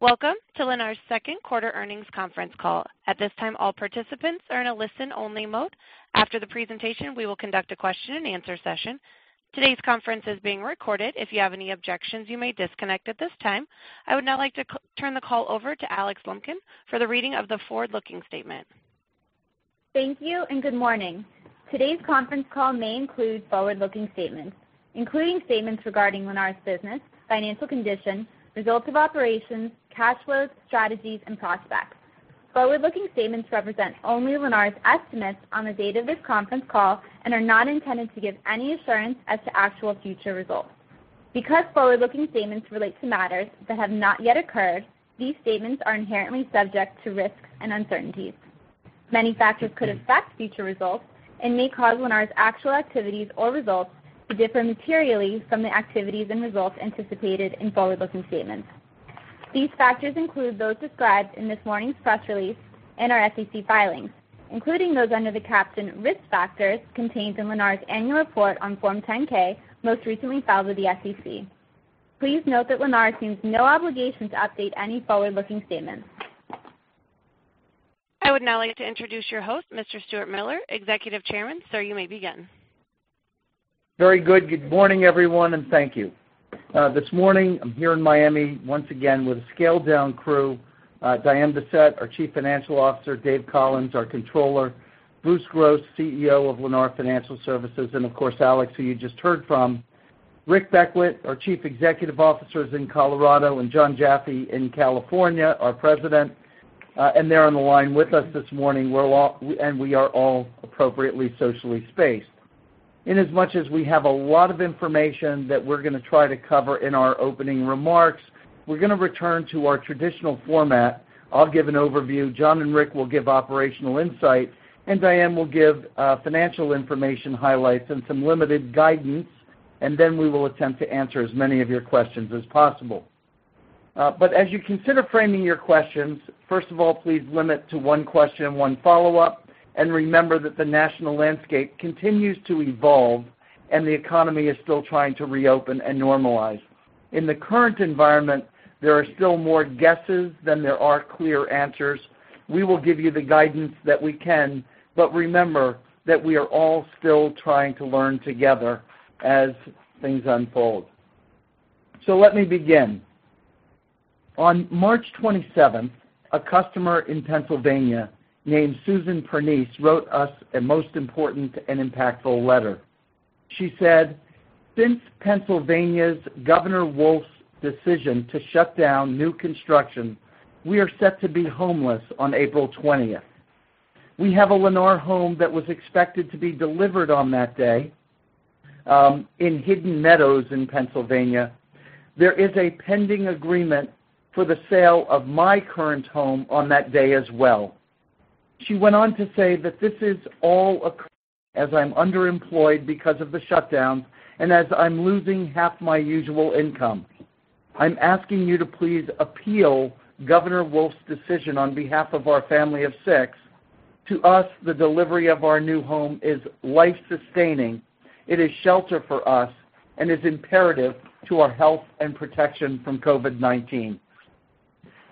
Welcome to Lennar's second quarter earnings conference call. At this time, all participants are in a listen-only mode. After the presentation, we will conduct a question and answer session. Today's conference is being recorded. If you have any objections, you may disconnect at this time. I would now like to turn the call over to Alex Lumpkin for the reading of the forward-looking statement. Thank you. Good morning. Today's conference call may include forward-looking statements, including statements regarding Lennar's business, financial condition, results of operations, cash flows, strategies, and prospects. Forward-looking statements represent only Lennar's estimates on the date of this conference call and are not intended to give any assurance as to actual future results. Because forward-looking statements relate to matters that have not yet occurred, these statements are inherently subject to risks and uncertainties. Many factors could affect future results and may cause Lennar's actual activities or results to differ materially from the activities and results anticipated in forward-looking statements. These factors include those described in this morning's press release and our SEC filings, including those under the caption risk factors contained in Lennar's annual report on Form 10-K, most recently filed with the SEC. Please note that Lennar assumes no obligation to update any forward-looking statements. I would now like to introduce your host, Mr. Stuart Miller, Executive Chairman. Sir, you may begin. Very good. Good morning, everyone, and thank you. This morning, I'm here in Miami once again with a scaled down crew. Diane Bessette, our Chief Financial Officer, Dave Collins, our Controller, Bruce Gross, CEO of Lennar Financial Services, and of course, Alex, who you just heard from. Rick Beckwitt, our Chief Executive Officer, is in Colorado, and Jon Jaffe in California, our President. They're on the line with us this morning, and we are all appropriately socially spaced. Inasmuch as we have a lot of information that we're going to try to cover in our opening remarks, we're going to return to our traditional format. I'll give an overview, Jon and Rick will give operational insight, and Diane will give financial information highlights and some limited guidance. Then we will attempt to answer as many of your questions as possible. As you consider framing your questions, first of all, please limit to one question and one follow-up and remember that the national landscape continues to evolve and the economy is still trying to reopen and normalize. In the current environment, there are still more guesses than there are clear answers. We will give you the guidance that we can, but remember that we are all still trying to learn together as things unfold. Let me begin. On March 27, a customer in Pennsylvania named Susan Pernice wrote us a most important and impactful letter. She said, "Since Pennsylvania's Governor Wolf's decision to shut down new construction, we are set to be homeless on April 20. We have a Lennar home that was expected to be delivered on that day, in Hidden Meadows in Pennsylvania. There is a pending agreement for the sale of my current home on that day as well." She went on to say that, "This is all occurring as I'm underemployed because of the shutdown, and as I'm losing half my usual income. I'm asking you to please appeal Governor Wolf's decision on behalf of our family of six. To us, the delivery of our new home is life-sustaining. It is shelter for us and is imperative to our health and protection from COVID-19."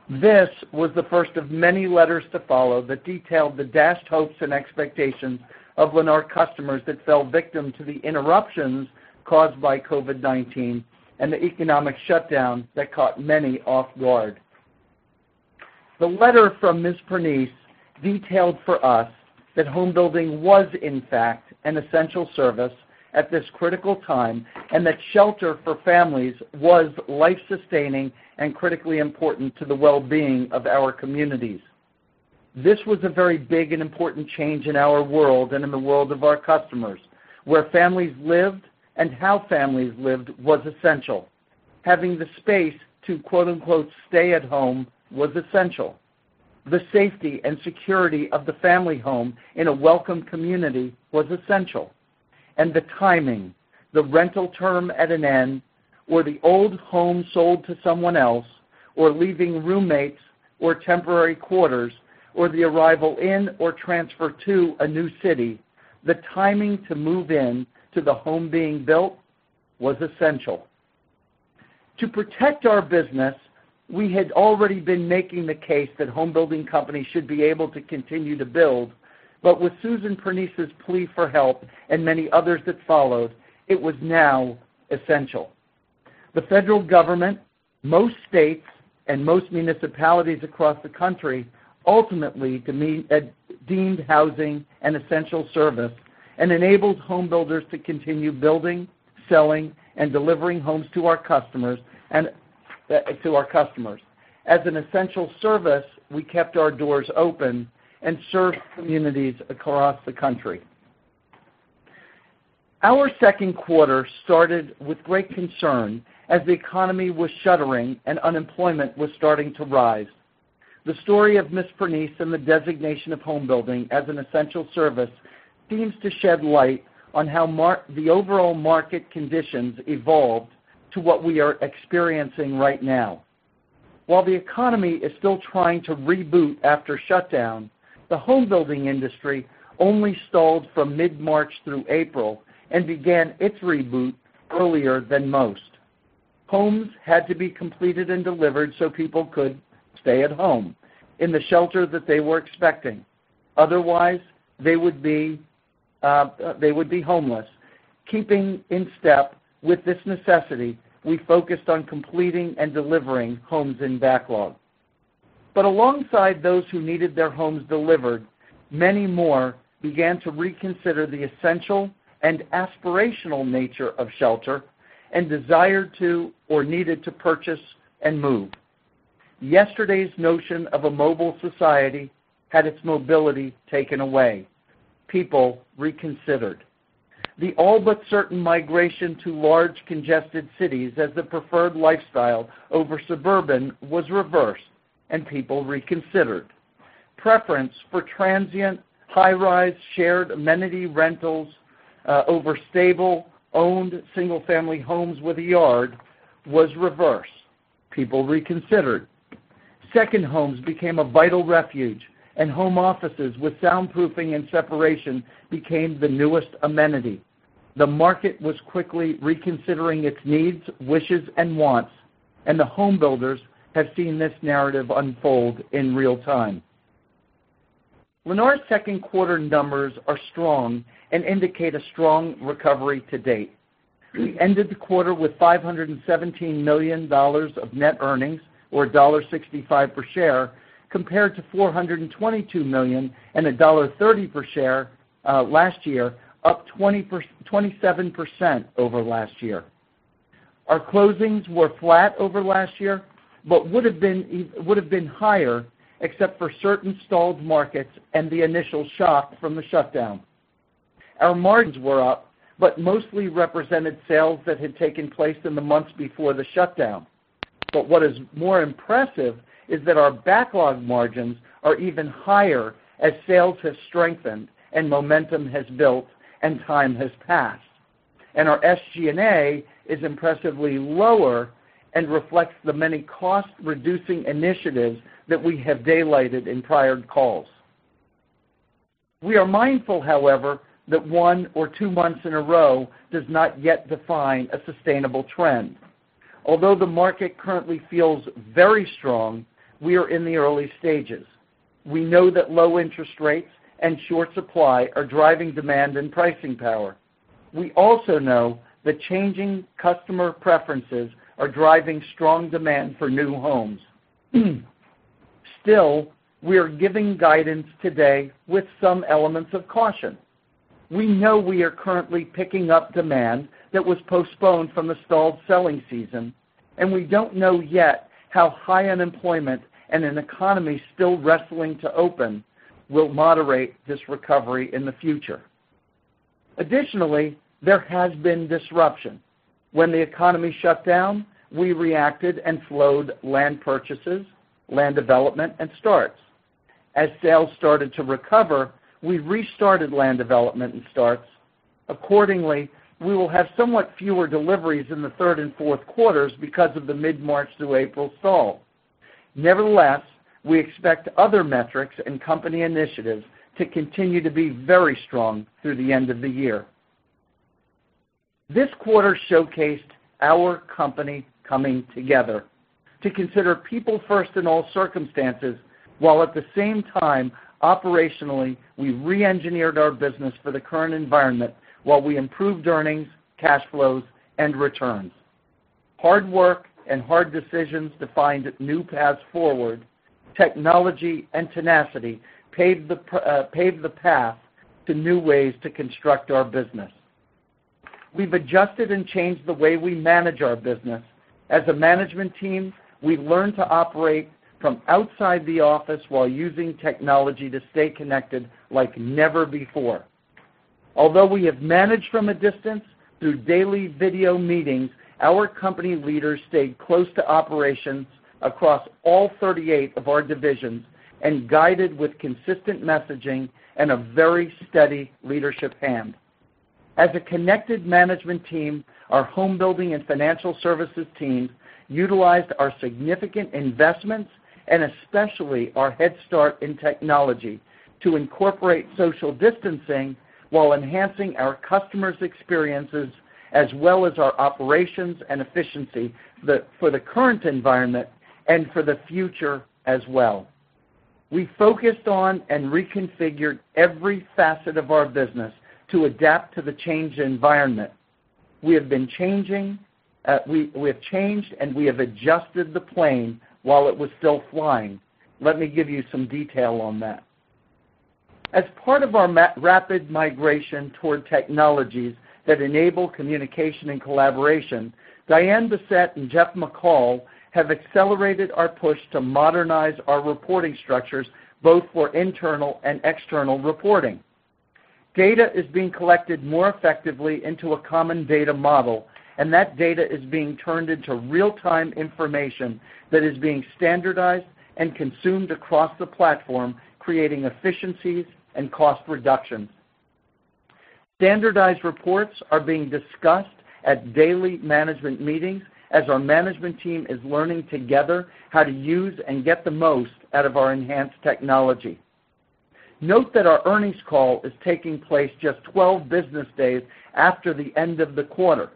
This was the first of many letters to follow that detailed the dashed hopes and expectations of Lennar customers that fell victim to the interruptions caused by COVID-19 and the economic shutdown that caught many off-guard. The letter from Ms. Pernice detailed for us that home building was, in fact, an essential service at this critical time, and that shelter for families was life-sustaining and critically important to the well-being of our communities. This was a very big and important change in our world and in the world of our customers. Where families lived and how families lived was essential. Having the space to quote unquote, "stay at home" was essential. The safety and security of the family home in a welcome community was essential. The timing, the rental term at an end, or the old home sold to someone else, or leaving roommates or temporary quarters, or the arrival in or transfer to a new city, the timing to move in to the home being built was essential. To protect our business, we had already been making the case that home building companies should be able to continue to build, with Susan Pernice's plea for help and many others that followed, it was now essential. The federal government, most states, and most municipalities across the country ultimately deemed housing an essential service and enabled home builders to continue building, selling, and delivering homes to our customers. As an essential service, we kept our doors open and served communities across the country. Our second quarter started with great concern as the economy was shuttering and unemployment was starting to rise. The story of Ms. Pernice and the designation of home building as an essential service seems to shed light on how the overall market conditions evolved to what we are experiencing right now. While the economy is still trying to reboot after shutdown, the home building industry only stalled from mid-March through April and began its reboot-Earlier than most. Homes had to be completed and delivered so people could stay at home in the shelter that they were expecting. Otherwise, they would be homeless. Keeping in step with this necessity, we focused on completing and delivering homes in backlog. Alongside those who needed their homes delivered, many more began to reconsider the essential and aspirational nature of shelter and desired to, or needed to purchase and move. Yesterday's notion of a mobile society had its mobility taken away. People reconsidered. The all but certain migration to large, congested cities as the preferred lifestyle over suburban was reversed, and people reconsidered. Preference for transient, high-rise, shared amenity rentals over stable, owned single-family homes with a yard was reversed. People reconsidered. Second homes became a vital refuge, and home offices with soundproofing and separation became the newest amenity. The market was quickly reconsidering its needs, wishes, and wants, and the home builders have seen this narrative unfold in real-time. Lennar's second quarter numbers are strong and indicate a strong recovery to date. We ended the quarter with $517 million of net earnings, or $1.65 per share, compared to $422 million and $1.30 per share last year, up 27% over last year. Our closings were flat over last year, but would've been higher except for certain stalled markets and the initial shock from the shutdown. Our margins were up, but mostly represented sales that had taken place in the months before the shutdown. What is more impressive is that our backlog margins are even higher as sales have strengthened, and momentum has built, and time has passed. Our SG&A is impressively lower and reflects the many cost-reducing initiatives that we have daylighted in prior calls. We are mindful, however, that one or two months in a row does not yet define a sustainable trend. Although the market currently feels very strong, we are in the early stages. We know that low interest rates and short supply are driving demand and pricing power. We also know that changing customer preferences are driving strong demand for new homes. Still, we are giving guidance today with some elements of caution. We know we are currently picking up demand that was postponed from a stalled selling season, and we don't know yet how high unemployment and an economy still wrestling to open will moderate this recovery in the future. Additionally, there has been disruption. When the economy shut down, we reacted and slowed land purchases, land development, and starts. As sales started to recover, we restarted land development and starts. Accordingly, we will have somewhat fewer deliveries in the third and fourth quarters because of the mid-March through April stall. Nevertheless, we expect other metrics and company initiatives to continue to be very strong through the end of the year. This quarter showcased our company coming together to consider people first in all circumstances while at the same time, operationally, we re-engineered our business for the current environment while we improved earnings, cash flows, and returns. Hard work and hard decisions to find new paths forward, technology, and tenacity paved the path to new ways to construct our business. We've adjusted and changed the way we manage our business. As a management team, we've learned to operate from outside the office while using technology to stay connected like never before. Although we have managed from a distance through daily video meetings, our company leaders stayed close to operations across all 38 of our divisions and guided with consistent messaging and a very steady leadership hand. As a connected management team, our home building and financial services teams utilized our significant investments, and especially our head start in technology, to incorporate social distancing while enhancing our customers' experiences as well as our operations and efficiency for the current environment and for the future as well. We focused on and reconfigured every facet of our business to adapt to the changed environment. We have changed, and we have adjusted the plane while it was still flying. Let me give you some detail on that. As part of our rapid migration toward technologies that enable communication and collaboration, Diane Bessette and Jeff McCall have accelerated our push to modernize our reporting structures, both for internal and external reporting. Data is being collected more effectively into a common data model, and that data is being turned into real-time information that is being standardized and consumed across the platform, creating efficiencies and cost reductions. Standardized reports are being discussed at daily management meetings as our management team is learning together how to use and get the most out of our enhanced technology. Note that our earnings call is taking place just 12 business days after the end of the quarter.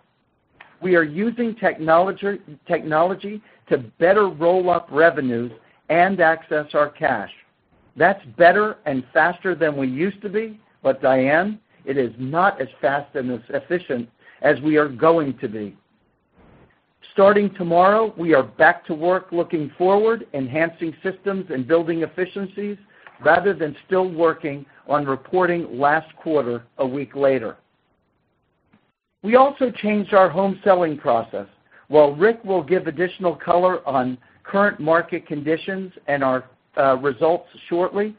We are using technology to better roll up revenues and access our cash. That's better and faster than we used to be, but Diane, it is not as fast and as efficient as we are going to be. Starting tomorrow, we are back to work looking forward, enhancing systems, and building efficiencies, rather than still working on reporting last quarter a week later. We also changed our home selling process. While Rick will give additional color on current market conditions and our results shortly,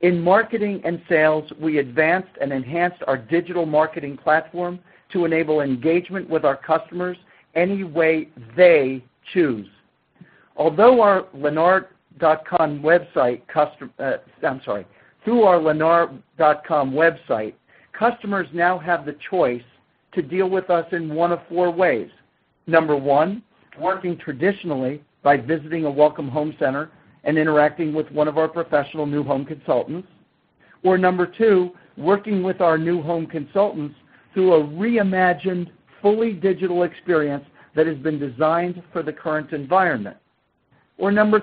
in marketing and sales, we advanced and enhanced our Digital Marketing platform to enable engagement with our customers any way they choose. Through our lennar.com website, customers now have the choice to deal with us in one of four ways. Number one, working traditionally by visiting a Welcome Home Center and interacting with one of our professional new home consultants. Number two, working with our new home consultants through a reimagined, fully digital experience that has been designed for the current environment. Number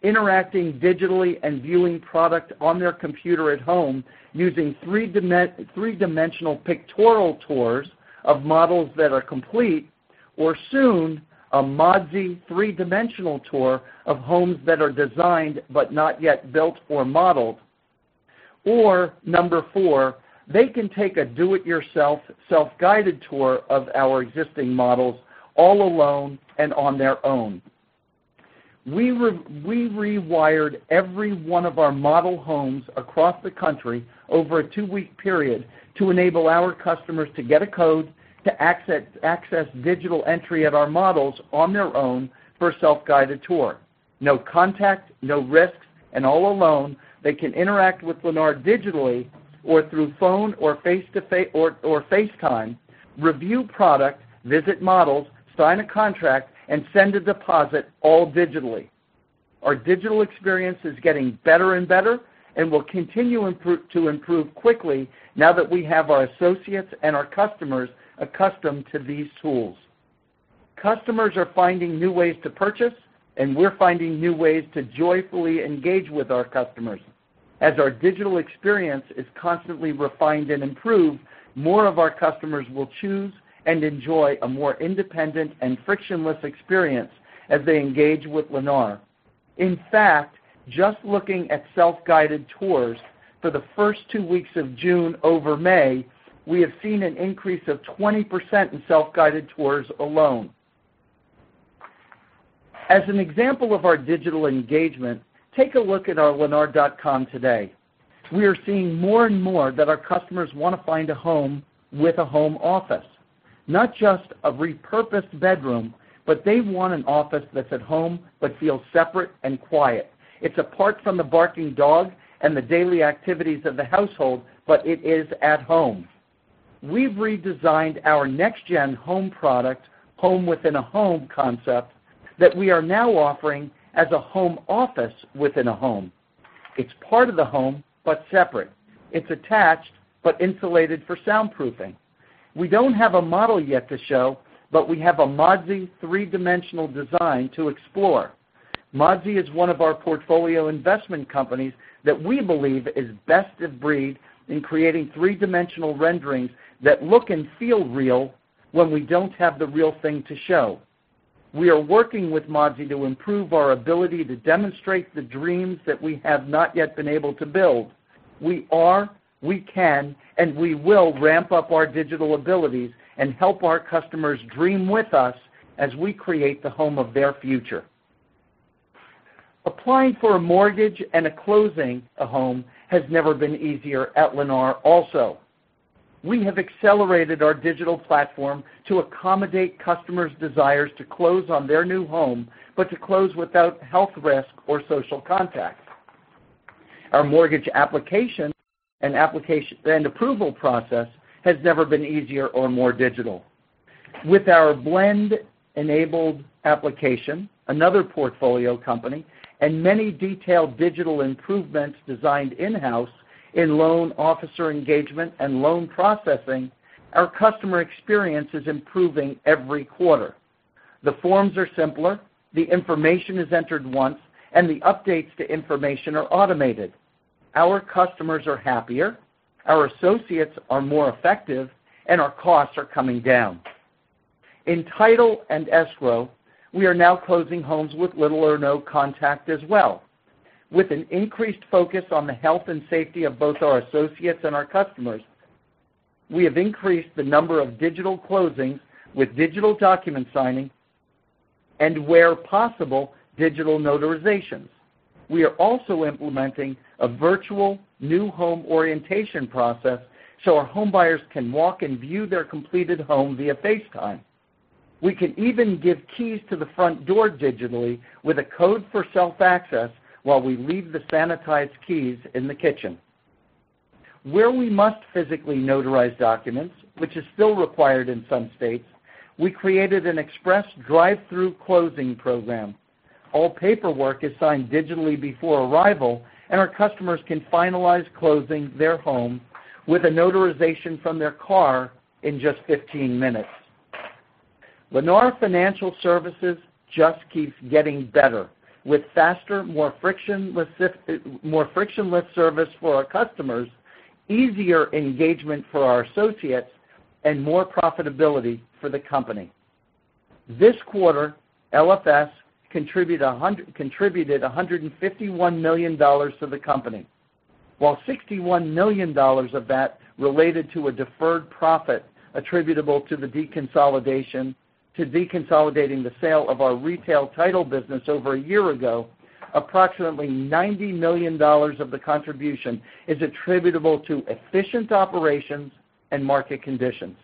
three, interacting digitally and viewing product on their computer at home using three-dimensional pictorial tours of models that are complete, or soon, a Modsy three-dimensional tour of homes that are designed but not yet built or modeled. Number four, they can take a do-it-yourself, self-guided tour of our existing models all alone and on their own. We rewired every one of our model homes across the country over a two-week period to enable our customers to get a code to access digital entry at our models on their own for a self-guided tour. No contact, no risk, and all alone, they can interact with Lennar digitally or through phone or FaceTime, review product, visit models, sign a contract, and send a deposit all digitally. Our digital experience is getting better and better and will continue to improve quickly now that we have our associates and our customers accustomed to these tools. Customers are finding new ways to purchase, and we're finding new ways to joyfully engage with our customers. As our digital experience is constantly refined and improved, more of our customers will choose and enjoy a more independent and frictionless experience as they engage with Lennar. In fact, just looking at self-guided tours for the first two weeks of June over May, we have seen an increase of 20% in self-guided tours alone. As an example of our digital engagement, take a look at our lennar.com today. We are seeing more and more that our customers want to find a home with a home office. They want an office that's at home but feels separate and quiet. It's apart from the barking dog and the daily activities of the household, but it is at home. We've redesigned our Next Gen home product, home within a home concept, that we are now offering as a home office within a home. It's part of the home, but separate. It's attached, but insulated for soundproofing. We don't have a model yet to show, but we have a Modsy three-dimensional design to explore. Modsy is one of our portfolio investment companies that we believe is best of breed in creating three-dimensional renderings that look and feel real when we don't have the real thing to show. We are working with Modsy to improve our ability to demonstrate the dreams that we have not yet been able to build. We are, we can, and we will ramp up our digital abilities and help our customers dream with us as we create the home of their future. Applying for a mortgage and closing a home has never been easier at Lennar also. We have accelerated our digital platform to accommodate customers' desires to close on their new home, but to close without health risk or social contact. Our mortgage application and approval process has never been easier or more digital. With our Blend-enabled application, another portfolio company, and many detailed digital improvements designed in-house in loan officer engagement and loan processing, our customer experience is improving every quarter. The forms are simpler, the information is entered once, and the updates to information are automated. Our customers are happier, our associates are more effective, and our costs are coming down. In title and escrow, we are now closing homes with little or no contact as well. With an increased focus on the health and safety of both our associates and our customers, we have increased the number of digital closings with digital document signing and, where possible, digital notarizations. We are also implementing a virtual new home orientation process so our homebuyers can walk and view their completed home via FaceTime. We can even give keys to the front door digitally with a code for self-access while we leave the sanitized keys in the kitchen. Where we must physically notarize documents, which is still required in some states, we created an express drive-through closing program. All paperwork is signed digitally before arrival, and our customers can finalize closing their home with a notarization from their car in just 15 minutes. Lennar Financial Services just keeps getting better with faster, more frictionless service for our customers, easier engagement for our associates, and more profitability for the company. This quarter, LFS contributed $151 million to the company. While $61 million of that related to a deferred profit attributable to deconsolidating the sale of our retail title business over a year ago, approximately $90 million of the contribution is attributable to efficient operations and market conditions.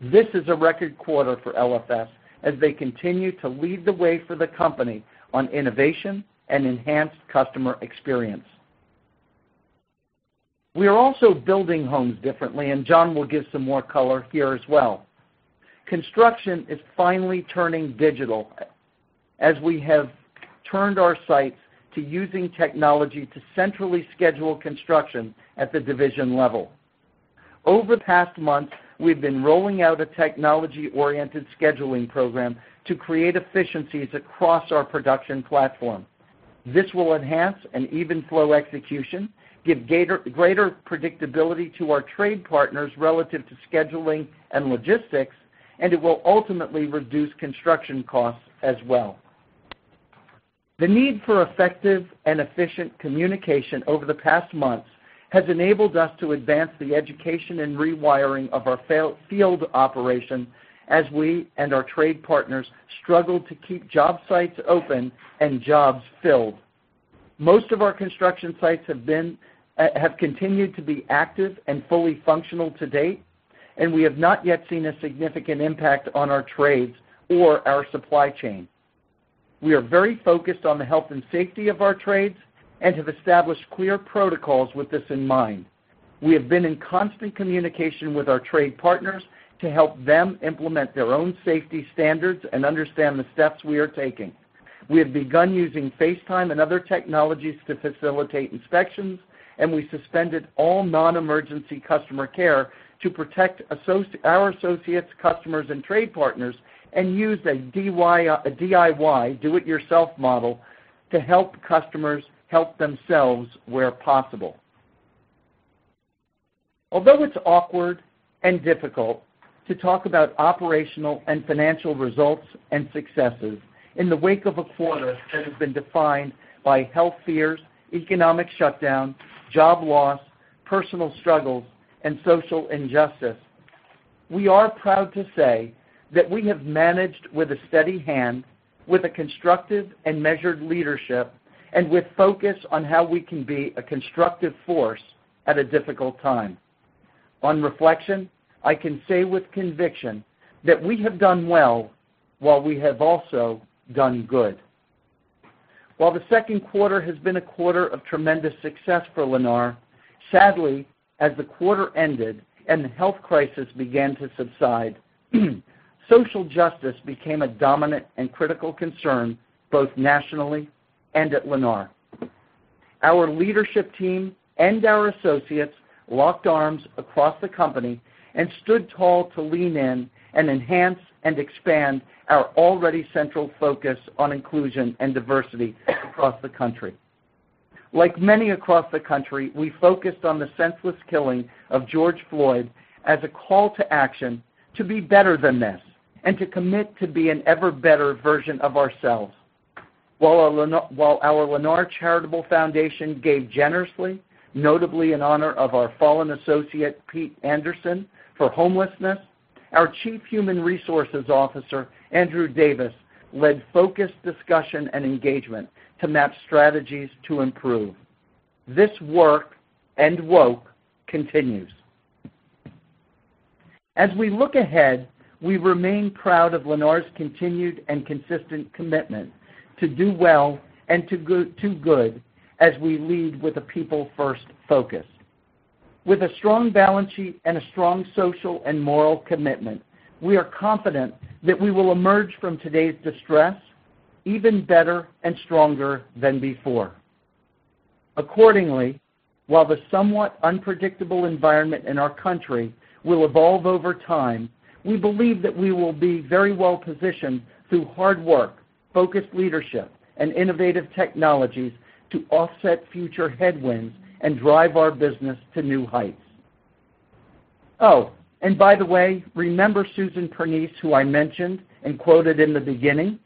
This is a record quarter for LFS as they continue to lead the way for the company on innovation and enhanced customer experience. We are also building homes differently, and Jon will give some more color here as well. Construction is finally turning digital as we have turned our sights to using technology to centrally schedule construction at the division level. Over the past month, we've been rolling out a technology-oriented scheduling program to create efficiencies across our production platform. This will enhance an even flow execution, give greater predictability to our trade partners relative to scheduling and logistics, and it will ultimately reduce construction costs as well. The need for effective and efficient communication over the past months has enabled us to advance the education and rewiring of our field operation as we and our trade partners struggle to keep job sites open and jobs filled. Most of our construction sites have continued to be active and fully functional to date, and we have not yet seen a significant impact on our trades or our supply chain. We are very focused on the health and safety of our trades and have established clear protocols with this in mind. We have been in constant communication with our trade partners to help them implement their own safety standards and understand the steps we are taking. We have begun using FaceTime and other technologies to facilitate inspections, and we suspended all non-emergency customer care to protect our associates, customers, and trade partners and use a DIY, do-it-yourself, model to help customers help themselves where possible. Although it's awkward and difficult to talk about operational and financial results and successes in the wake of a quarter that has been defined by health fears, economic shutdown, job loss, personal struggles, and social injustice, we are proud to say that we have managed with a steady hand, with a constructive and measured leadership, and with focus on how we can be a constructive force at a difficult time. On reflection, I can say with conviction that we have done well while we have also done good. While the second quarter has been a quarter of tremendous success for Lennar, sadly, as the quarter ended and the health crisis began to subside, social justice became a dominant and critical concern both nationally and at Lennar. Our leadership team and our associates locked arms across the company and stood tall to lean in and enhance and expand our already central focus on inclusion and diversity across the country. Like many across the country, we focused on the senseless killing of George Floyd as a call to action to be better than this and to commit to be an ever-better version of ourselves. While our Lennar Charitable Foundation gave generously, notably in honor of our fallen associate, Pete Anderson, for homelessness, our Chief Human Resources Officer, Andrew Davis, led focused discussion and engagement to map strategies to improve. This work and woke continues. As we look ahead, we remain proud of Lennar's continued and consistent commitment to do well and to good as we lead with a people-first focus. With a strong balance sheet and a strong social and moral commitment, we are confident that we will emerge from today's distress even better and stronger than before. Accordingly, while the somewhat unpredictable environment in our country will evolve over time, we believe that we will be very well positioned through hard work, focused leadership, and innovative technologies to offset future headwinds and drive our business to new heights. Oh, by the way, remember Susan Pernice, who I mentioned and quoted in the beginning?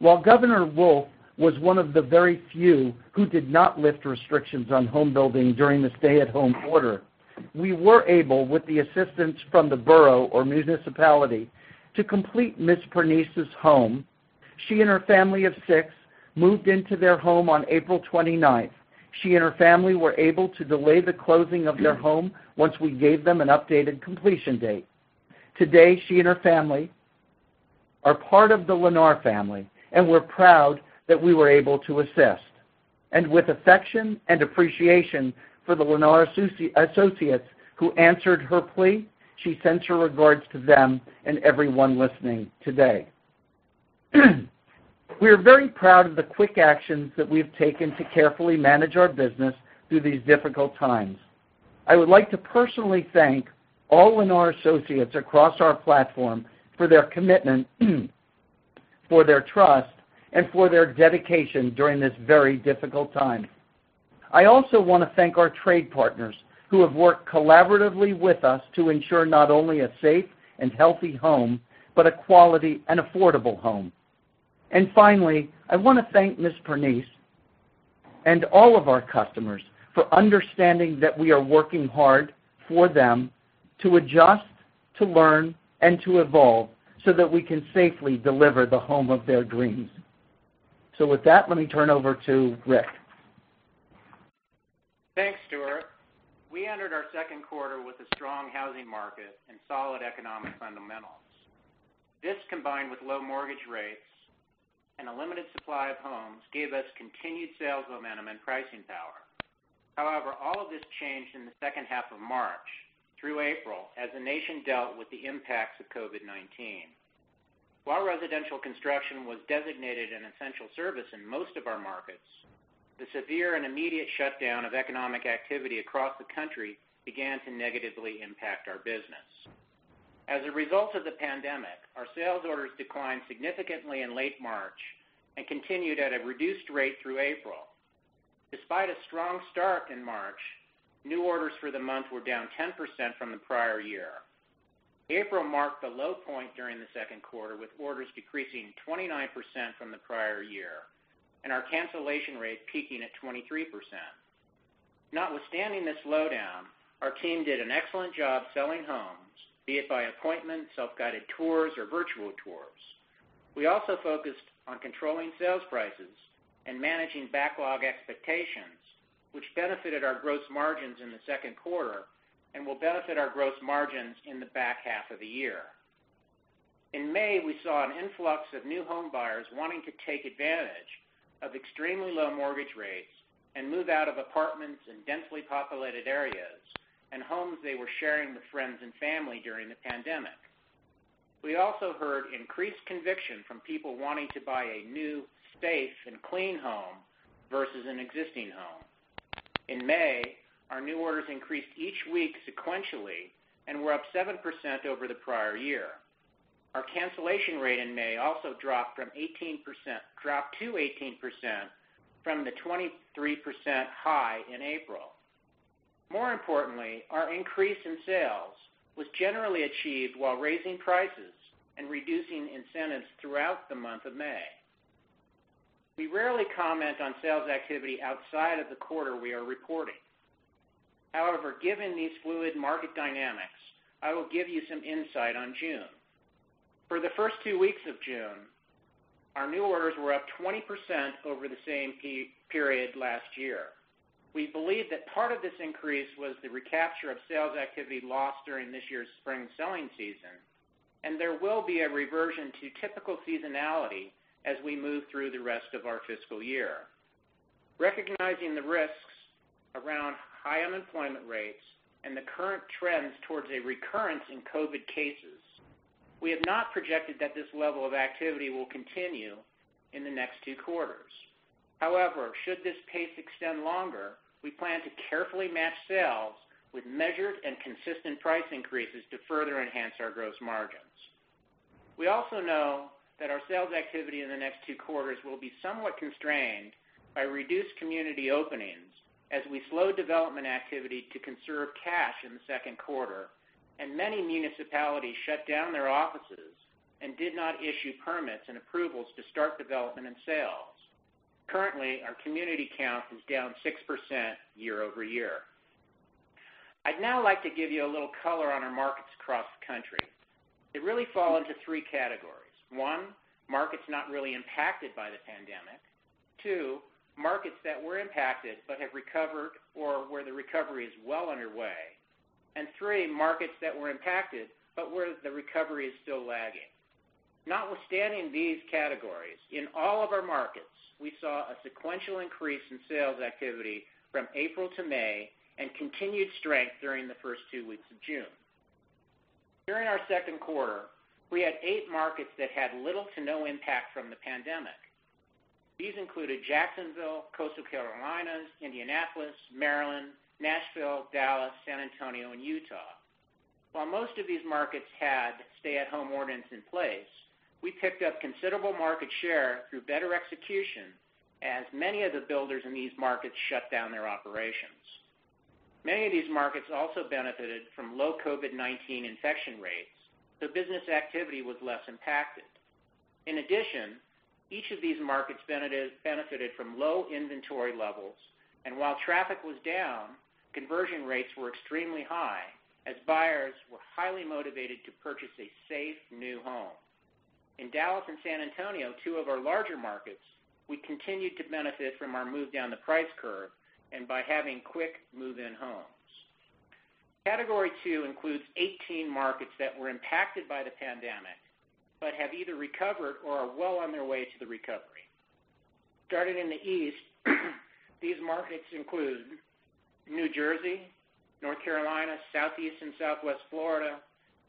While Governor Wolf was one of the very few who did not lift restrictions on home building during the stay-at-home order, we were able, with the assistance from the borough or municipality, to complete Ms. Pernice's home. She and her family of six moved into their home on April 29th. She and her family were able to delay the closing of their home once we gave them an updated completion date. Today, she and her family are part of the Lennar family, we're proud that we were able to assist. With affection and appreciation for the Lennar associates who answered her plea, she sends her regards to them and everyone listening today. We are very proud of the quick actions that we've taken to carefully manage our business through these difficult times. I would like to personally thank all Lennar associates across our platform for their commitment, for their trust, and for their dedication during this very difficult time. I also want to thank our trade partners who have worked collaboratively with us to ensure not only a safe and healthy home, but a quality and affordable home. Finally, I want to thank Ms. Pernice and all of our customers for understanding that we are working hard for them to adjust, to learn, and to evolve so that we can safely deliver the home of their dreams. With that, let me turn over to Rick. Thanks, Stuart. We entered our second quarter with a strong housing market and solid economic fundamentals. This, combined with low mortgage rates and a limited supply of homes, gave us continued sales momentum and pricing power. However, all of this changed in the second half of March through April as the nation dealt with the impacts of COVID-19. While residential construction was designated an essential service in most of our markets, the severe and immediate shutdown of economic activity across the country began to negatively impact our business. As a result of the pandemic, our sales orders declined significantly in late March and continued at a reduced rate through April. Despite a strong start in March, new orders for the month were down 10% from the prior year. April marked the low point during the second quarter, with orders decreasing 29% from the prior year, and our cancellation rate peaking at 23%. Notwithstanding this slowdown, our team did an excellent job selling homes, be it by appointment, self-guided tours, or virtual tours. We also focused on controlling sales prices and managing backlog expectations, which benefited our gross margins in the second quarter and will benefit our gross margins in the back half of the year. In May, we saw an influx of new home buyers wanting to take advantage of extremely low mortgage rates and move out of apartments in densely populated areas and homes they were sharing with friends and family during the pandemic. We also heard increased conviction from people wanting to buy a new, safe, and clean home versus an existing home. In May, our new orders increased each week sequentially and were up 7% over the prior year. Our cancellation rate in May also dropped to 18% from the 23% high in April. More importantly, our increase in sales was generally achieved while raising prices and reducing incentives throughout the month of May. We rarely comment on sales activity outside of the quarter we are reporting. Given these fluid market dynamics, I will give you some insight on June. For the first two weeks of June, our new orders were up 20% over the same period last year. We believe that part of this increase was the recapture of sales activity lost during this year's spring selling season, and there will be a reversion to typical seasonality as we move through the rest of our fiscal year. Recognizing the risks around high unemployment rates and the current trends towards a recurrence in COVID-19 cases, we have not projected that this level of activity will continue in the next two quarters. Should this pace extend longer, we plan to carefully match sales with measured and consistent price increases to further enhance our gross margins. We also know that our sales activity in the next two quarters will be somewhat constrained by reduced community openings as we slow development activity to conserve cash in the second quarter, and many municipalities shut down their offices and did not issue permits and approvals to start development and sales. Currently, our community count is down 6% year-over-year. I'd now like to give you a little color on our markets across the country. They really fall into three categories. One markets not really impacted by the pandemic. Two markets that were impacted but have recovered or where the recovery is well underway. Three markets that were impacted, but where the recovery is still lagging. Notwithstanding these categories, in all of our markets, we saw a sequential increase in sales activity from April to May and continued strength during the first two weeks of June. During our second quarter, we had eight markets that had little to no impact from the pandemic. These included Jacksonville, Coastal Carolinas, Indianapolis, Maryland, Nashville, Dallas, San Antonio, and Utah. While most of these markets had stay-at-home ordinances in place, we picked up considerable market share through better execution as many of the builders in these markets shut down their operations. Many of these markets also benefited from low COVID-19 infection rates, so business activity was less impacted. In addition, each of these markets benefited from low inventory levels, and while traffic was down, conversion rates were extremely high as buyers were highly motivated to purchase a safe, new home. In Dallas and San Antonio, two of our larger markets, we continued to benefit from our move down the price curve and by having quick move-in homes. Category two includes 18 markets that were impacted by the pandemic, but have either recovered or are well on their way to the recovery. Starting in the East, these markets include New Jersey, North Carolina, Southeast and Southwest Florida,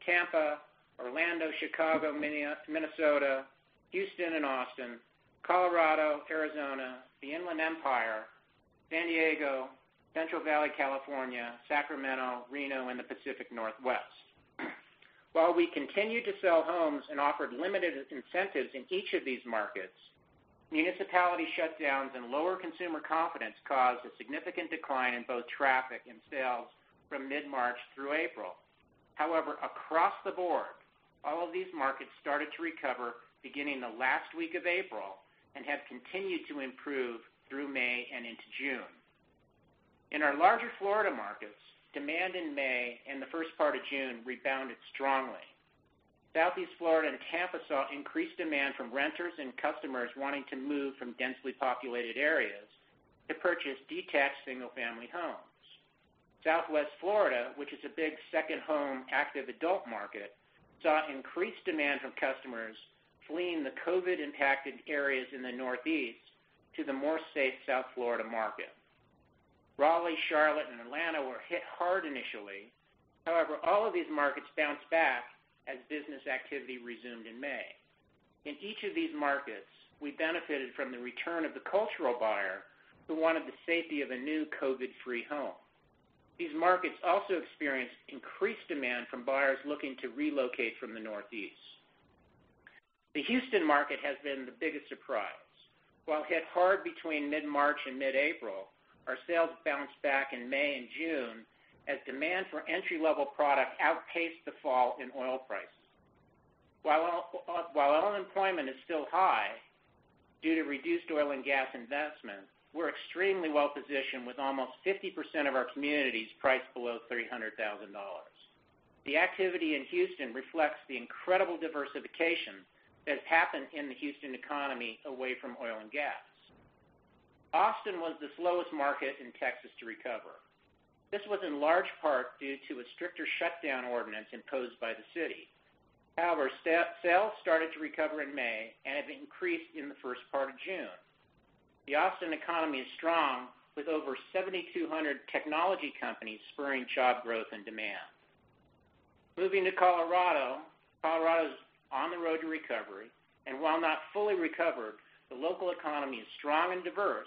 Tampa, Orlando, Chicago, Minnesota, Houston and Austin, Colorado, Arizona, the Inland Empire, San Diego, Central Valley, California, Sacramento, Reno, and the Pacific Northwest. While we continued to sell homes and offered limited incentives in each of these markets, municipality shutdowns and lower consumer confidence caused a significant decline in both traffic and sales from mid-March through April. Across the board, all of these markets started to recover beginning the last week of April, and have continued to improve through May and into June. In our larger Florida markets, demand in May and the first part of June rebounded strongly. Southeast Florida and Tampa saw increased demand from renters and customers wanting to move from densely populated areas to purchase detached single-family homes. Southwest Florida, which is a big second-home, active adult market, saw increased demand from customers fleeing the COVID-impacted areas in the Northeast to the more safe South Florida market. Raleigh, Charlotte, and Atlanta were hit hard initially. All of these markets bounced back as business activity resumed in May. In each of these markets, we benefited from the return of the cultural buyer who wanted the safety of a new COVID-free home. These markets also experienced increased demand from buyers looking to relocate from the Northeast. The Houston market has been the biggest surprise. While hit hard between mid-March and mid-April, our sales bounced back in May and June as demand for entry-level product outpaced the fall in oil prices. While unemployment is still high due to reduced oil and gas investment, we're extremely well-positioned, with almost 50% of our communities priced below $300,000. The activity in Houston reflects the incredible diversification that has happened in the Houston economy away from oil and gas. Austin was the slowest market in Texas to recover. This was in large part due to a stricter shutdown ordinance imposed by the city. Sales started to recover in May and have increased in the first part of June. The Austin economy is strong, with over 7,200 technology companies spurring job growth and demand. Moving to Colorado. Colorado's on the road to recovery, and while not fully recovered, the local economy is strong and diverse,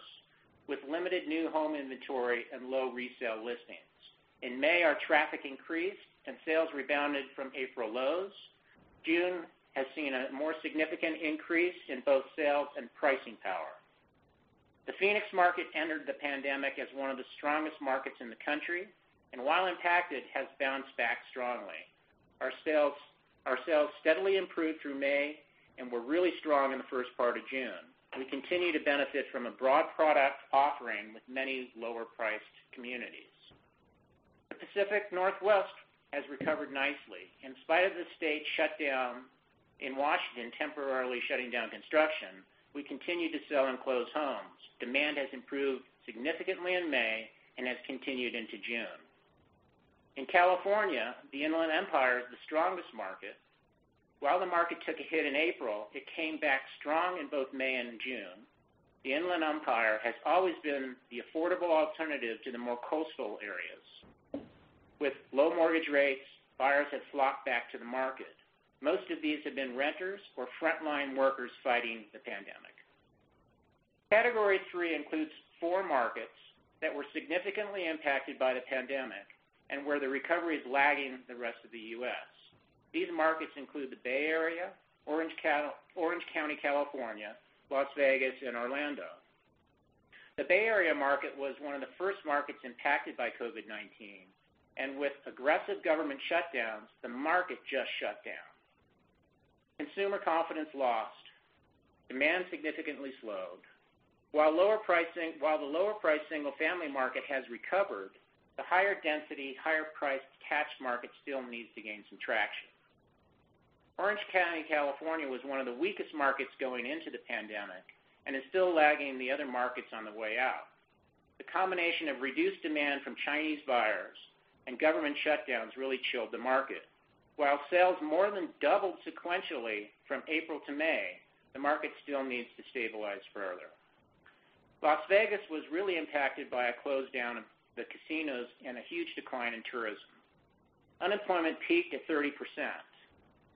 with limited new home inventory and low resale listings. In May, our traffic increased and sales rebounded from April lows. June has seen a more significant increase in both sales and pricing power. The Phoenix market entered the pandemic as one of the strongest markets in the country, and while impacted, has bounced back strongly. Our sales steadily improved through May and were really strong in the first part of June. We continue to benefit from a broad product offering with many lower-priced communities. The Pacific Northwest has recovered nicely. In spite of the state shutdown in Washington temporarily shutting down construction, we continue to sell and close homes. Demand has improved significantly in May and has continued into June. In California, the Inland Empire is the strongest market. While the market took a hit in April, it came back strong in both May and June. The Inland Empire has always been the affordable alternative to the more coastal areas. With low mortgage rates, buyers have flocked back to the market. Most of these have been renters or frontline workers fighting the pandemic. Category three includes four markets that were significantly impacted by the pandemic and where the recovery is lagging the rest of the U.S. These markets include the Bay Area, Orange County, California, Las Vegas, and Orlando. The Bay Area market was one of the first markets impacted by COVID-19. With aggressive government shutdowns, the market just shut down. Consumer confidence lost. Demand significantly slowed. While the lower-priced single-family market has recovered, the higher-density, higher-priced catch market still needs to gain some traction. Orange County, California, was one of the weakest markets going into the pandemic and is still lagging the other markets on the way out. The combination of reduced demand from Chinese buyers and government shutdowns really chilled the market. While sales more than doubled sequentially from April to May, the market still needs to stabilize further. Las Vegas was really impacted by a close-down of the casinos and a huge decline in tourism unemployment peaked at 30%.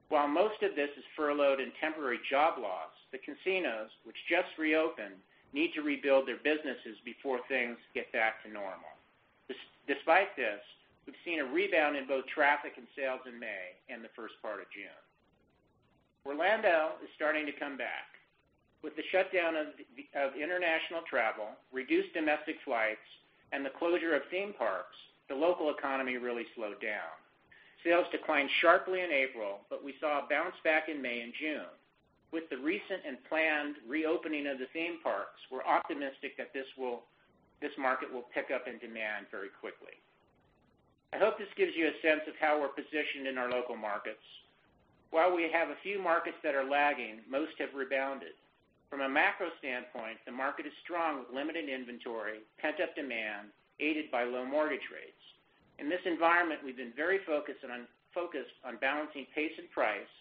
While most of this is furloughed in temporary job loss, the casinos, which just reopened, need to rebuild their businesses before things get back to normal. Despite this, we've seen a rebound in both traffic and sales in May and the first part of June. Orlando is starting to come back. With the shutdown of international travel, reduced domestic flights, and the closure of theme parks, the local economy really slowed down. Sales declined sharply in April, but we saw a bounce-back in May and June. With the recent and planned reopening of the theme parks, we're optimistic that this market will pick up in demand very quickly. I hope this gives you a sense of how we're positioned in our local markets. While we have a few markets that are lagging, most have rebounded. From a macro standpoint, the market is strong with limited inventory, pent-up demand, aided by low mortgage rates. In this environment, we've been very focused on balancing pace and price,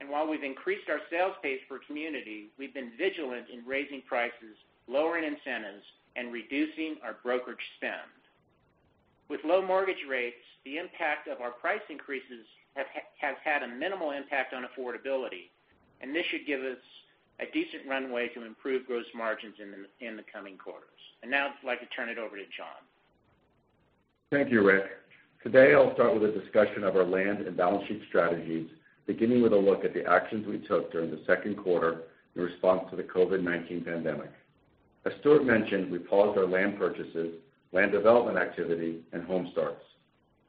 and while we've increased our sales pace per community, we've been vigilant in raising prices, lowering incentives, and reducing our brokerage spend. With low mortgage rates, the impact of our price increases have had a minimal impact on affordability, and this should give us a decent runway to improve gross margins in the coming quarters. Now I'd like to turn it over to Jon. Thank you, Rick. Today, I'll start with a discussion of our land and balance sheet strategies, beginning with a look at the actions we took during the second quarter in response to the COVID-19 pandemic. As Stuart mentioned, we paused our land purchases, land development activity, and home starts.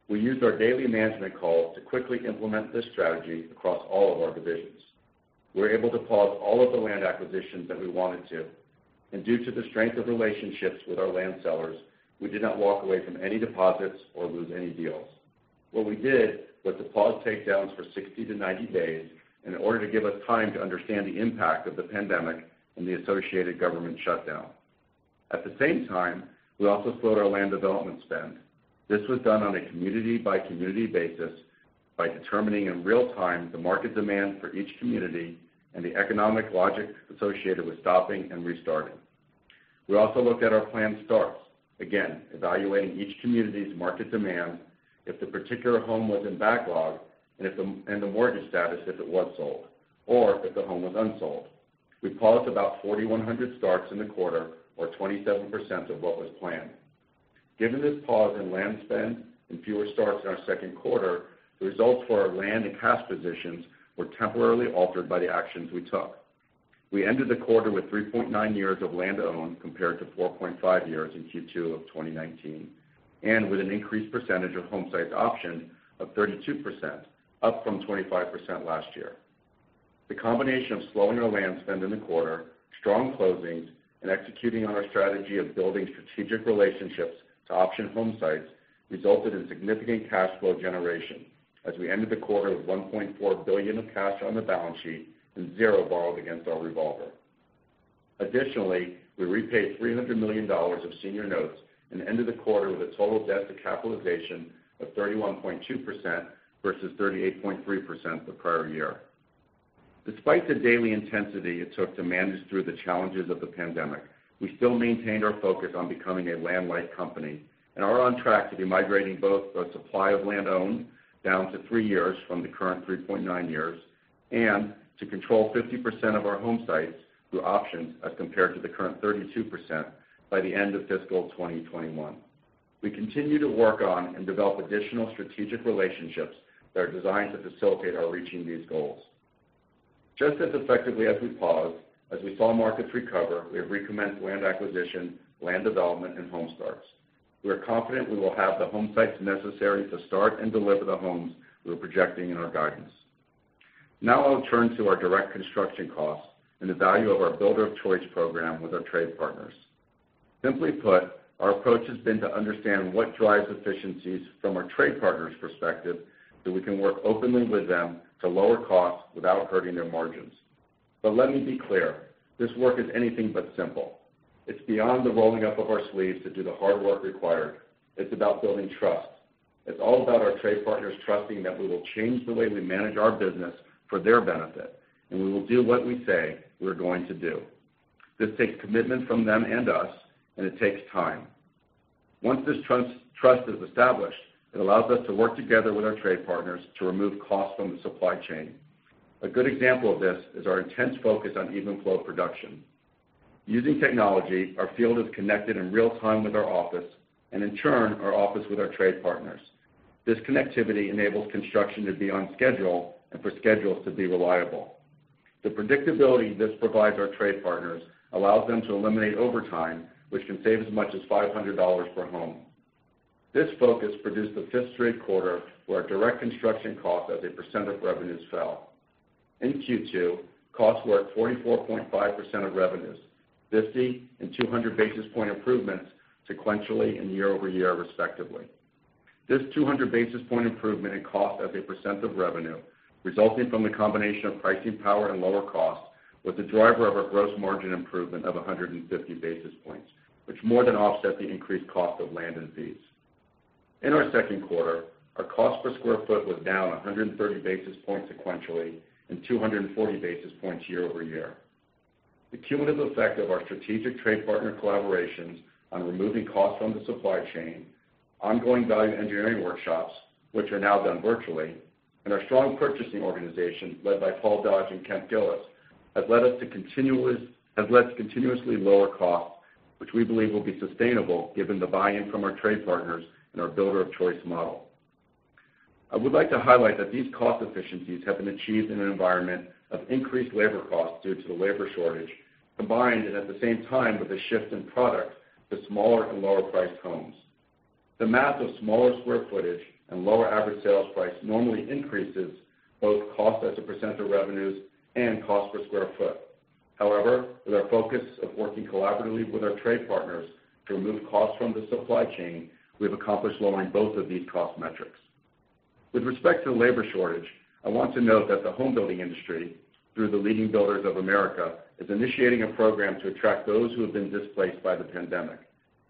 We used our daily management call to quickly implement this strategy across all of our divisions. We were able to pause all of the land acquisitions that we wanted to, and due to the strength of relationships with our land sellers, we did not walk away from any deposits or lose any deals. What we did was to pause takedowns for 60 to 90 days in order to give us time to understand the impact of the pandemic and the associated government shutdown. At the same time, we also slowed our land development spend. This was done on a community-by-community basis by determining in real time the market demand for each community and the economic logic associated with stopping and restarting. We also looked at our planned starts, again, evaluating each community's market demand if the particular home was in backlog and the mortgage status if it was sold, or if the home was unsold. We paused about 4,100 starts in the quarter, or 27% of what was planned. Given this pause in land spend and fewer starts in our second quarter, the results for our land and cash positions were temporarily altered by the actions we took. We ended the quarter with three point nine years of land owned, compared to four point five years in Q2 of 2019, and with an increased percentage of home site option of 32%, up from 25% last year. The combination of slowing our land spend in the quarter, strong closings, and executing on our strategy of building strategic relationships to option home sites resulted in significant cash flow generation as we ended the quarter with $1.4 billion of cash on the balance sheet and zero borrowed against our revolver. We repaid $300 million of senior notes and ended the quarter with a total debt to capitalization of 31.2% versus 38.3% the prior year. Despite the daily intensity it took to manage through the challenges of the pandemic, we still maintained our focus on becoming a land-light company and are on track to be migrating both our supply of land owned down to three years from the current three point nine years and to control 50% of our home sites through options as compared to the current 32% by the end of fiscal 2021. We continue to work on and develop additional strategic relationships that are designed to facilitate our reaching these goals. Just as effectively as we paused, as we saw markets recover, we have recommenced land acquisition, land development, and home starts. We are confident we will have the home sites necessary to start and deliver the homes we are projecting in our guidance. I'll turn to our direct construction costs and the value of our Builder of Choice program with our trade partners. Simply put, our approach has been to understand what drives efficiencies from our trade partners' perspective so we can work openly with them to lower costs without hurting their margins. Let me be clear, this work is anything but simple. It's beyond the rolling up of our sleeves to do the hard work required. It's about building trust. It's all about our trade partners trusting that we will change the way we manage our business for their benefit, and we will do what we say we're going to do. This takes commitment from them and us, and it takes time. Once this trust is established, it allows us to work together with our trade partners to remove costs from the supply chain. A good example of this is our intense focus on even flow production. Using technology, our field is connected in real time with our office, and in turn, our office with our trade partners. This connectivity enables construction to be on schedule and for schedules to be reliable. The predictability this provides our trade partners allows them to eliminate overtime, which can save as much as $500 per home. This focus produced the fifth straight quarter where our direct construction cost as a percentage of revenues fell. In Q2, costs were at 44.5% of revenues, 50 and 200 basis point improvements sequentially and year-over-year, respectively. This 200 basis point improvement in cost as a percent of revenue resulting from the combination of pricing power and lower costs was the driver of our gross margin improvement of 150 basis points, which more than offset the increased cost of land and fees. In our second quarter, our cost per square foot was down 130 basis points sequentially and 240 basis points year-over-year. The cumulative effect of our strategic trade partner collaborations on removing costs from the supply chain, ongoing value engineering workshops, which are now done virtually, and our strong purchasing organization led by Paul Dodge and Kemp Gillis, have led us to continuously lower costs, which we believe will be sustainable given the buy-in from our trade partners and our Builder of Choice model. I would like to highlight that these cost efficiencies have been achieved in an environment of increased labor costs due to the labor shortage, combined and at the same time with a shift in product to smaller and lower priced homes. The math of smaller square footage and lower average sales price normally increases both cost as a percent of revenues and cost per square foot. However, with our focus of working collaboratively with our trade partners to remove costs from the supply chain, we've accomplished lowering both of these cost metrics. With respect to the labor shortage, I want to note that the home building industry, through the Leading Builders of America, is initiating a program to attract those who have been displaced by the pandemic.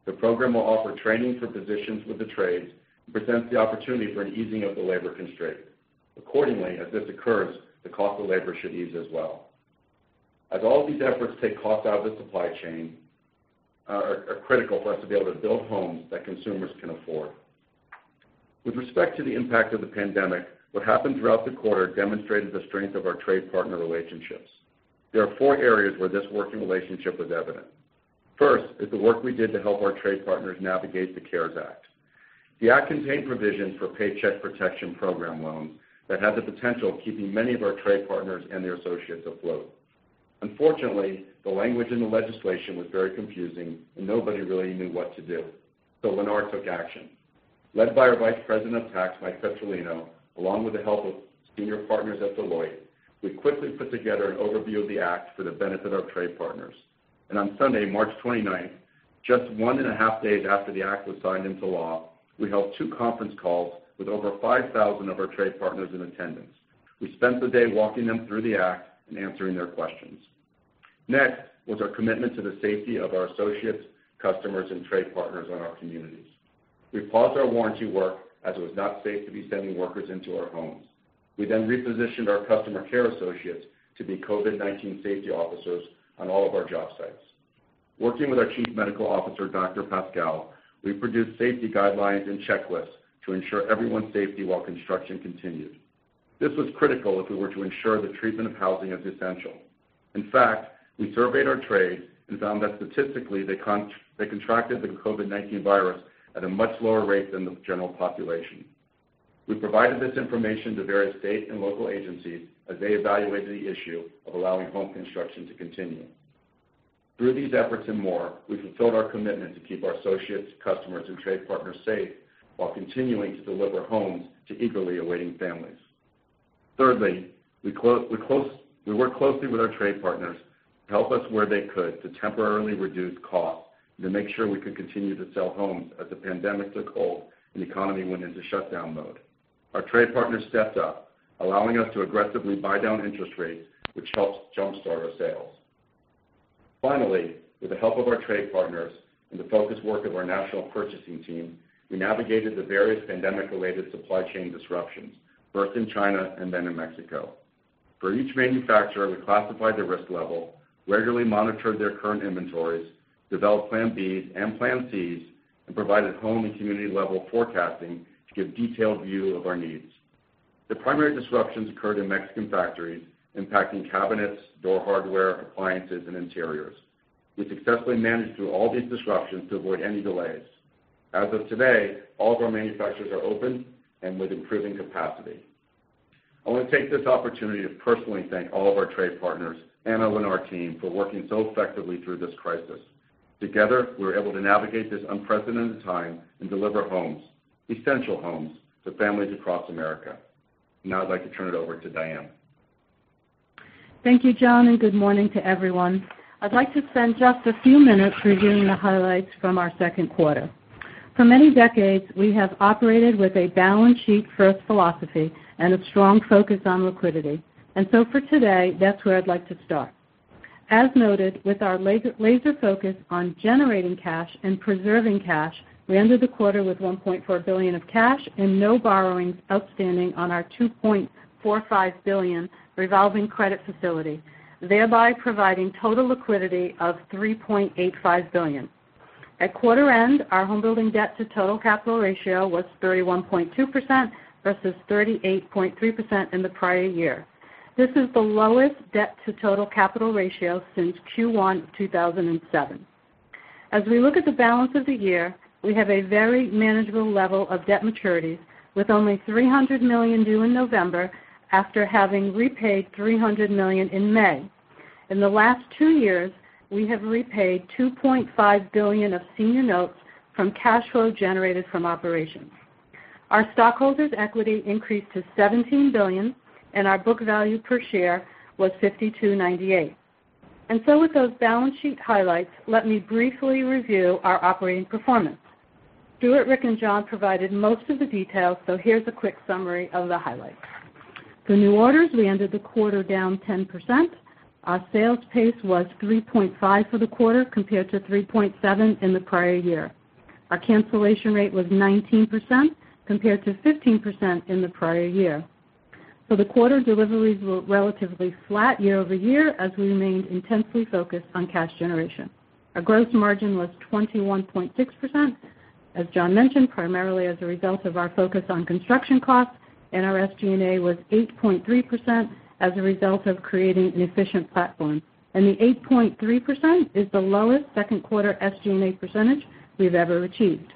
The program will offer training for positions with the trades and presents the opportunity for an easing of the labor constraint. Accordingly, as this occurs, the cost of labor should ease as well. As all of these efforts take cost out of the supply chain, they are critical for us to be able to build homes that consumers can afford. With respect to the impact of the pandemic, what happened throughout the quarter demonstrated the strength of our trade partner relationships. There are four areas where this working relationship was evident. First is the work we did to help our trade partners navigate the CARES Act. The Act contained provisions for Paycheck Protection Program loans that had the potential of keeping many of our trade partners and their associates afloat. Unfortunately, the language in the legislation was very confusing, and nobody really knew what to do. Lennar took action. Led by our Vice President of Tax, Mike Petrolino, along with the help of senior partners at Deloitte, we quickly put together an overview of the Act for the benefit of trade partners. On Sunday, March 29th, just one and a half days after the Act was signed into law, we held two conference calls with over 5,000 of our trade partners in attendance. We spent the day walking them through the Act and answering their questions. Our commitment to the safety of our associates, customers, and trade partners in our communities. We paused our warranty work as it was not safe to be sending workers into our homes. We repositioned our customer care associates to be COVID-19 safety officers on all of our job sites. Working with our Chief Medical Officer, Dr. Pascal, we produced safety guidelines and checklists to ensure everyone's safety while construction continued. This was critical if we were to ensure the treatment of housing as essential. In fact, we surveyed our trades and found that statistically, they contracted the COVID-19 virus at a much lower rate than the general population. We provided this information to various state and local agencies as they evaluated the issue of allowing home construction to continue. Through these efforts and more, we fulfilled our commitment to keep our associates, customers, and trade partners safe while continuing to deliver homes to eagerly awaiting families. Thirdly, we worked closely with our trade partners to help us where they could to temporarily reduce cost to make sure we could continue to sell homes as the pandemic took hold and the economy went into shutdown mode. Our trade partners stepped up, allowing us to aggressively buy down interest rates, which helped jumpstart our sales. With the help of our trade partners and the focused work of our national purchasing team, we navigated the various pandemic-related supply chain disruptions, first in China and then in Mexico. For each manufacturer, we classified their risk level, regularly monitored their current inventories, developed plan Bs and plan Cs, and provided home and community-level forecasting to give detailed view of our needs. The primary disruptions occurred in Mexican factories, impacting cabinets, door hardware, appliances, and interiors. We successfully managed through all these disruptions to avoid any delays. As of today, all of our manufacturers are open and with improving capacity. I want to take this opportunity to personally thank all of our trade partners and our Lennar team for working so effectively through this crisis. Together, we were able to navigate this unprecedented time and deliver homes, essential homes, to families across America. Now I'd like to turn it over to Diane. Thank you, Jon, good morning to everyone. I'd like to spend just a few minutes reviewing the highlights from our second quarter. For many decades, we have operated with a balance sheet-first philosophy and a strong focus on liquidity. For today, that's where I'd like to start. As noted, with our laser focus on generating cash and preserving cash, we ended the quarter with $1.4 billion of cash and no borrowings outstanding on our $2.45 billion revolving credit facility, thereby providing total liquidity of $3.85 billion. At quarter end, our home building debt to total capital ratio was 31.2% versus 38.3% in the prior year. This is the lowest debt to total capital ratio since Q1 2007. As we look at the balance of the year, we have a very manageable level of debt maturities with only $300 million due in November after having repaid $300 million in May. In the last two years, we have repaid $2.5 billion of senior notes from cash flow generated from operations. Our stockholders' equity increased to $17 billion, and our book value per share was $52.98. With those balance sheet highlights, let me briefly review our operating performance. Stuart, Rick, and Jon provided most of the details, so here's a quick summary of the highlights. For new orders, we ended the quarter down 10%. Our sales pace was 3.5 for the quarter compared to 3.7 in the prior year. Our cancellation rate was 19% compared to 15% in the prior year. For the quarter, deliveries were relatively flat year-over-year as we remained intensely focused on cash generation. Our gross margin was 21.6%, as Jon mentioned, primarily as a result of our focus on construction costs, and our SG&A was 8.3% as a result of creating an efficient platform. The 8.3% is the lowest second quarter SG&A percentage we've ever achieved.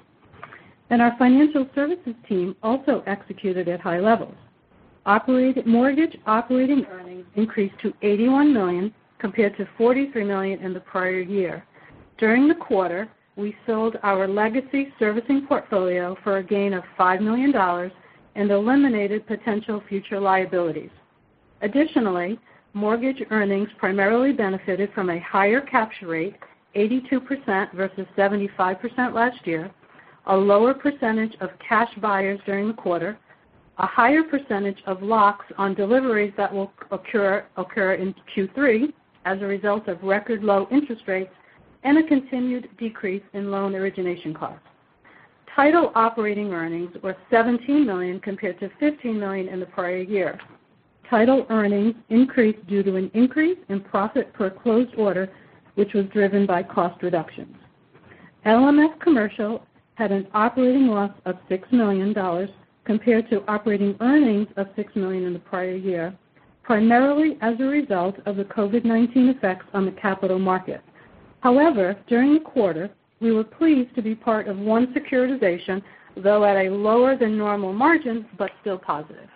Our Financial Services team also executed at high levels. mortgage operating earnings increased to $81 million compared to $43 million in the prior year. During the quarter, we sold our legacy servicing portfolio for a gain of $5 million and eliminated potential future liabilities. Additionally, mortgage earnings primarily benefited from a higher capture rate, 82% versus 75% last year, a lower percentage of cash buyers during the quarter, a higher percentage of locks on deliveries that will occur in Q3 as a result of record low interest rates, and a continued decrease in loan origination costs. Title operating earnings were $17 million compared to $15 million in the prior year. Title earnings increased due to an increase in profit per closed order, which was driven by cost reductions. LMF Commercial had an operating loss of $6 million compared to operating earnings of $6 million in the prior year, primarily as a result of the COVID-19 effects on the capital markets. However, during the quarter, we were pleased to be part of one securitization, though at a lower than normal margin, but still positive.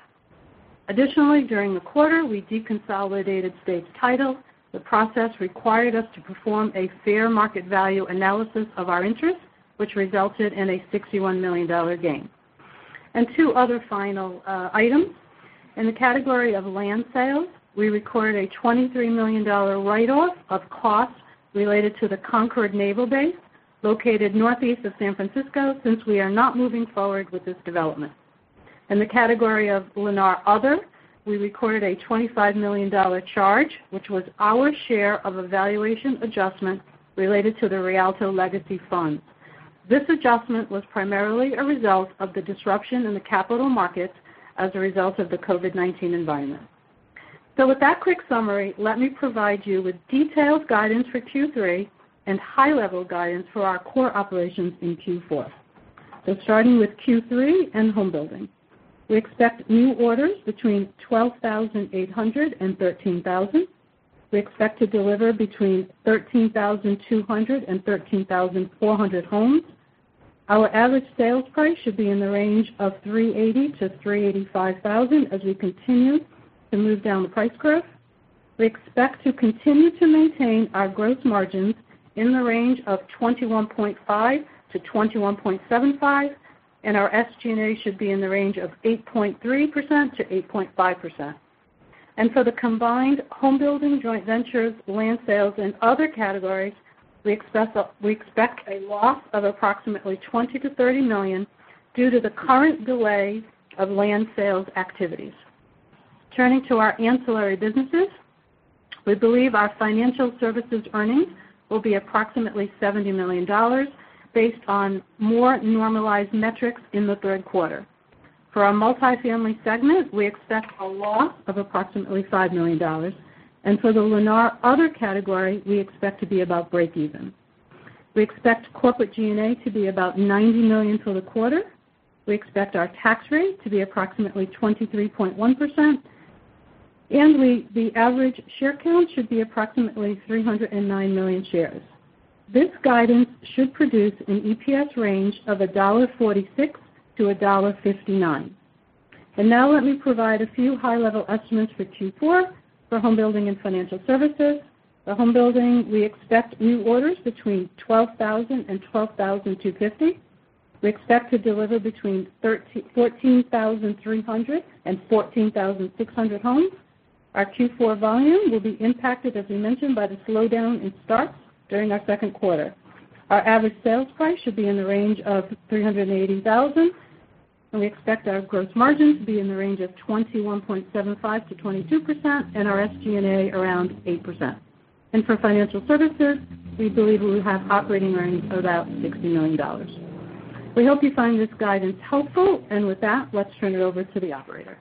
Additionally, during the quarter, we deconsolidated States Title. The process required us to perform a fair market value analysis of our interest, which resulted in a $61 million gain. Two other final items. In the category of land sales, we recorded a $23 million write-off of costs related to the Concord Naval Weapons Station located northeast of San Francisco, since we are not moving forward with this development. In the category of Lennar Other, we recorded a $25 million charge, which was our share of a valuation adjustment related to the Rialto Legacy Fund. This adjustment was primarily a result of the disruption in the capital markets as a result of the COVID-19 environment. With that quick summary, let me provide you with detailed guidance for Q3 and high-level guidance for our core operations in Q4. Starting with Q3 and homebuilding. We expect new orders between 12,800 and 13,000. We expect to deliver between 13,200 and 13,400 homes. Our average sales price should be in the range of $380,000-$385,000 as we continue to move down the price curve. We expect to continue to maintain our gross margins in the range of 21.5%-21.75%, and our SG&A should be in the range of 8.3%-8.5%. For the combined homebuilding joint ventures, land sales, and other categories, we expect a loss of approximately $20 million-$30 million due to the current delay of land sales activities. Turning to our ancillary businesses, we believe our financial services earnings will be approximately $70 million based on more normalized metrics in the third quarter. For our multifamily segment, we expect a loss of approximately $5 million. For the Lennar Other category, we expect to be about break even. We expect corporate SG&A to be about $90 million for the quarter. We expect our tax rate to be approximately 23.1%, and the average share count should be approximately 309 million shares. This guidance should produce an EPS range of $1.46-$1.59. Now let me provide a few high-level estimates for Q4 for homebuilding and Financial Services. For homebuilding, we expect new orders between 12,000 and 12,250. We expect to deliver between 14,300 and 14,600 homes. Our Q4 volume will be impacted, as we mentioned, by the slowdown in starts during our second quarter. Our average sales price should be in the range of $380,000, and we expect our gross margin to be in the range of 21.75%-22%, and our SG&A around 8%. For Financial Services, we believe we will have operating earnings of about $60 million. We hope you find this guidance helpful. With that, let's turn it over to the operator.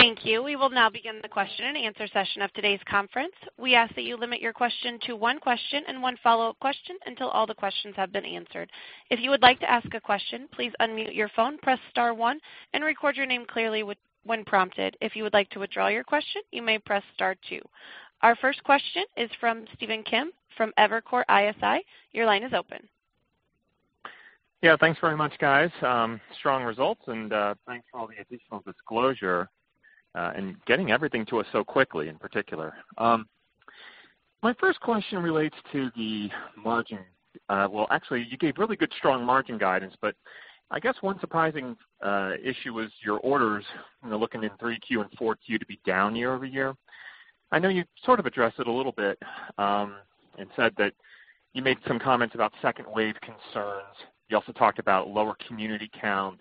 Thank you. We will now begin the question-and-answer session of today's conference. We ask that you limit your question to one question and one follow-up question until all the questions have been answered. If you would like to ask a question, please unmute your phone, press star one, and record your name clearly when prompted. If you would like to withdraw your question, you may press star two. Our first question is from Stephen Kim from Evercore ISI. Your line is open. Thanks very much, guys. Strong results, thanks for all the additional disclosure, getting everything to us so quickly in particular. My first question relates to the margin. Well, actually, you gave really good strong margin guidance. I guess one surprising issue is your orders, looking in 3Q and 4Q to be down year-over-year. I know you sort of addressed it a little bit, said that you made some comments about second wave concerns. You also talked about lower community counts.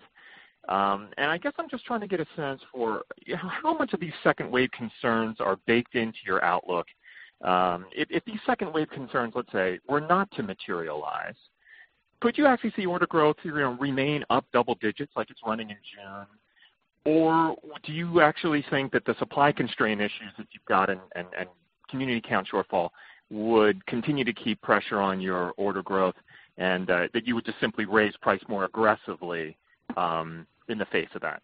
I guess I'm just trying to get a sense for how much of these second wave concerns are baked into your outlook. If these second wave concerns, let's say, were not to materialize, could you actually see order growth remain up double digits like it's running in June? Do you actually think that the supply constraint issues that you've got and community count shortfall would continue to keep pressure on your order growth and that you would just simply raise price more aggressively in the face of that?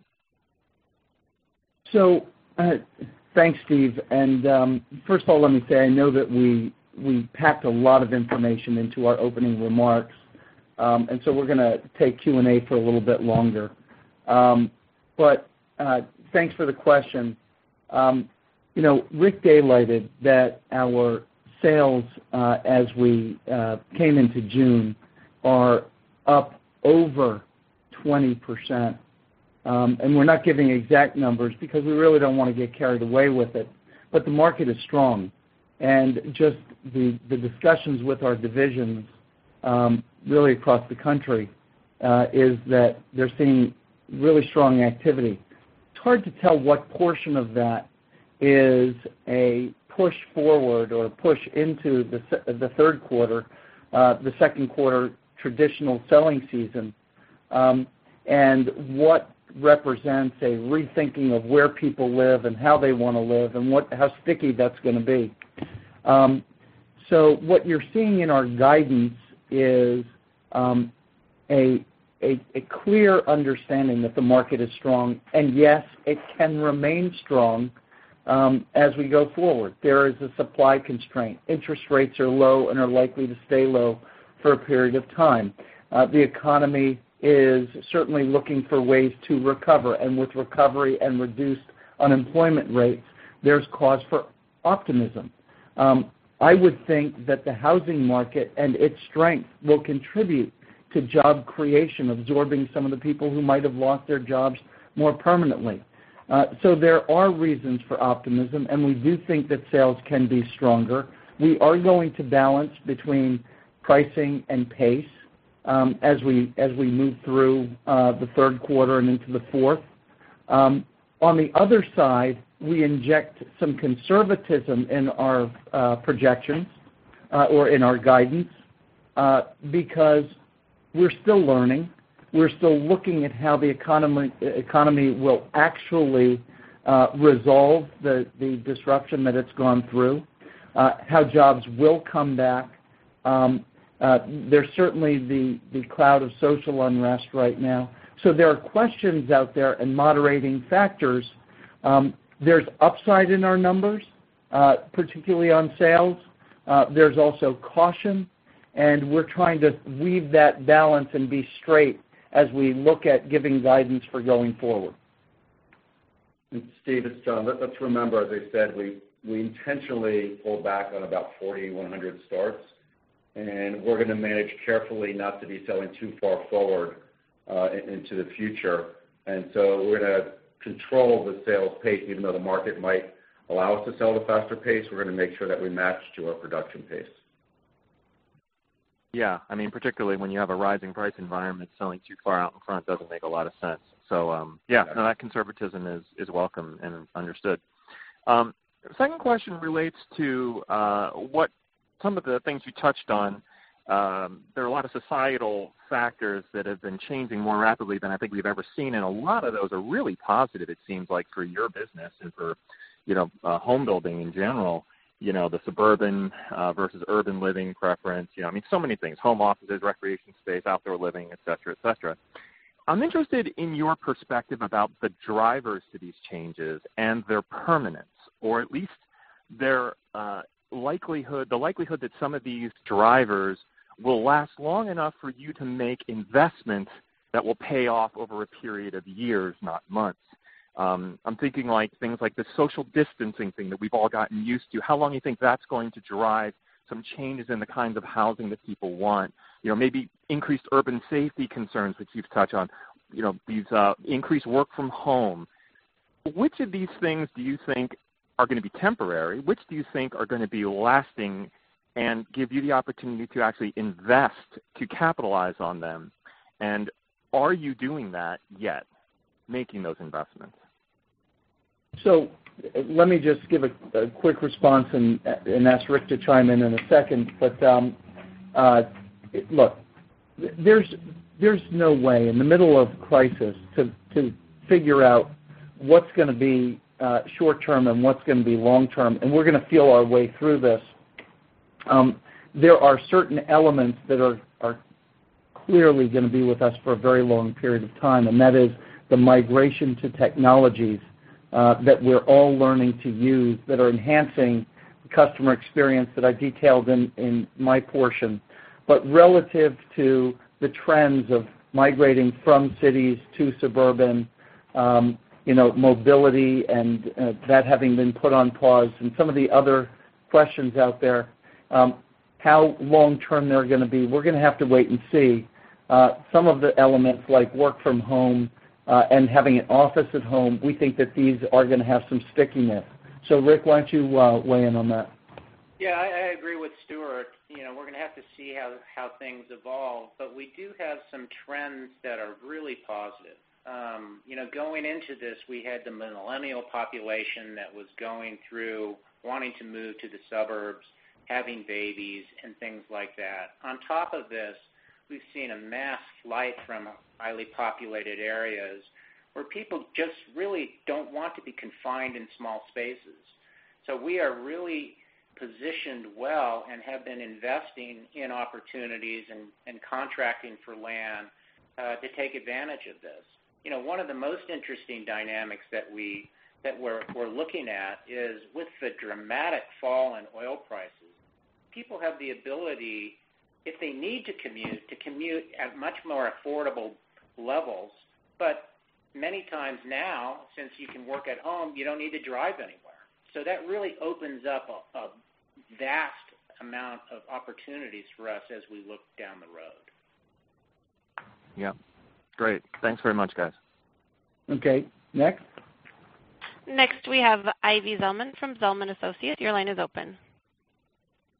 Thanks, Stephen. First of all, let me say, I know that we packed a lot of information into our opening remarks We're going to take Q&A for a little bit longer. Thanks for the question. Rick delighted that our sales, as we came into June, are up over 20%. We're not giving exact numbers because we really don't want to get carried away with it, but the market is strong. Just the discussions with our divisions really across the country, is that they're seeing really strong activity. It's hard to tell what portion of that is a push forward or a push into the third quarter, the second quarter traditional selling season, and what represents a rethinking of where people live and how they want to live and how sticky that's going to be. What you're seeing in our guidance is a clear understanding that the market is strong. Yes, it can remain strong as we go forward. There is a supply constraint. Interest rates are low and are likely to stay low for a period of time. The economy is certainly looking for ways to recover. With recovery and reduced unemployment rates, there's cause for optimism. I would think that the housing market and its strength will contribute to job creation, absorbing some of the people who might have lost their jobs more permanently. There are reasons for optimism, and we do think that sales can be stronger. We are going to balance between pricing and pace as we move through the third quarter and into the fourth. On the other side, we inject some conservatism in our projections or in our guidance, because we're still learning. We're still looking at how the economy will actually resolve the disruption that it's gone through, how jobs will come back. There's certainly the cloud of social unrest right now. There are questions out there and moderating factors. There's upside in our numbers, particularly on sales. There's also caution, and we're trying to weave that balance and be straight as we look at giving guidance for going forward. Step, it's Jon. Let's remember, as I said, we intentionally pulled back on about 4,100 starts, and we're going to manage carefully not to be selling too far forward into the future. We're going to control the sales pace, even though the market might allow us to sell at a faster pace, we're going to make sure that we match to our production pace. Yeah. Particularly when you have a rising price environment, selling too far out in front doesn't make a lot of sense. Yeah, no, that conservatism is welcome and understood. Second question relates to some of the things you touched on. There are a lot of societal factors that have been changing more rapidly than I think we've ever seen, and a lot of those are really positive it seems like for your business and for home building in general. The suburban versus urban living preference, so many things. Home offices, recreation space, outdoor living, et cetera. I'm interested in your perspective about the drivers to these changes and their permanence, or at least the likelihood that some of these drivers will last long enough for you to make investments that will pay off over a period of years, not months. I'm thinking things like the social distancing thing that we've all gotten used to. How long you think that's going to drive some changes in the kinds of housing that people want, maybe increased urban safety concerns that you've touched on, these increased work from home? Which of these things do you think are going to be temporary? Which do you think are going to be lasting and give you the opportunity to actually invest to capitalize on them? Are you doing that yet, making those investments? Let me just give a quick response and ask Rick to chime in in a second. Look, there's no way in the middle of a crisis to figure out what's going to be short-term and what's going to be long-term, and we're going to feel our way through this. There are certain elements that are clearly going to be with us for a very long period of time, and that is the migration to technologies that we're all learning to use that are enhancing the customer experience that I detailed in my portion. Relative to the trends of migrating from cities to suburban, mobility and that having been put on pause, and some of the other questions out there, how long-term they're going to be, we're going to have to wait and see. Some of the elements like work from home and having an office at home, we think that these are going to have some stickiness. Rick, why don't you weigh in on that? Yeah, I agree with Stuart. We're going to have to see how things evolve. We do have some trends that are really positive. Going into this, we had the millennial population that was going through wanting to move to the suburbs, having babies, and things like that. On top of this, we've seen a mass flight from highly populated areas where people just really don't want to be confined in small spaces. We are really positioned well and have been investing in opportunities and contracting for land to take advantage of this. One of the most interesting dynamics that we're looking at is with the dramatic fall in oil prices, people have the ability, if they need to commute, to commute at much more affordable levels. Many times now, since you can work at home, you don't need to drive anywhere. That really opens up a vast amount of opportunities for us as we look down the road. Yeah. Great. Thanks very much, guys. Okay. Next? Next we have Ivy Zelman from Zelman & Associates. Your line is open.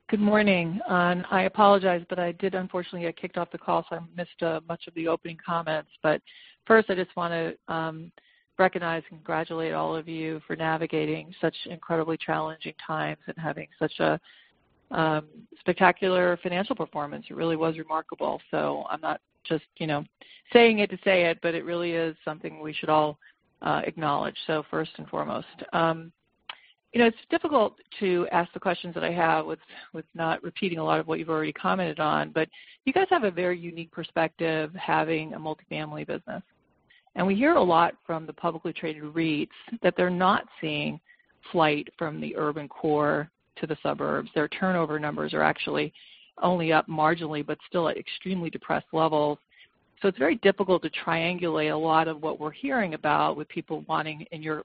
Good morning. I apologize, but I did unfortunately get kicked off the call, so I missed much of the opening comments. First, I just want to recognize and congratulate all of you for navigating such incredibly challenging times and having such a spectacular financial performance. It really was remarkable. I'm not just saying it to say it, but it really is something we should all acknowledge, so first and foremost. It's difficult to ask the questions that I have with not repeating a lot of what you've already commented on, but you guys have a very unique perspective having a multifamily business. We hear a lot from the publicly-traded REITs that they're not seeing flight from the urban core to the suburbs. Their turnover numbers are actually only up marginally, but still at extremely depressed levels. It's very difficult to triangulate a lot of what we're hearing about with people wanting, in your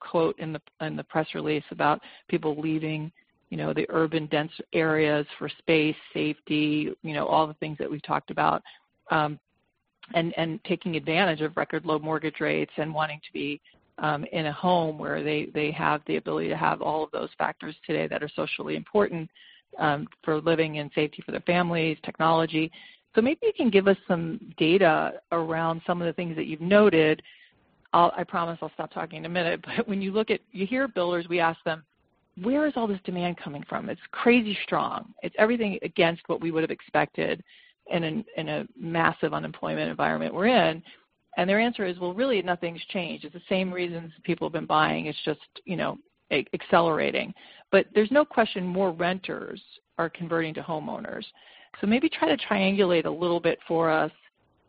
quote in the press release, about people leaving the urban, dense areas for space, safety, all the things that we've talked about, and taking advantage of record low mortgage rates and wanting to be in a home where they have the ability to have all of those factors today that are socially important for living and safety for their families, technology. Maybe you can give us some data around some of the things that you've noted. I promise I'll stop talking in a minute. When you hear builders, we ask them, "Where is all this demand coming from? It's crazy strong. It's everything against what we would have expected in a massive unemployment environment we're in." Their answer is, well, really nothing's changed. It's the same reasons people have been buying. It's just accelerating. There's no question more renters are converting to homeowners. Maybe try to triangulate a little bit for us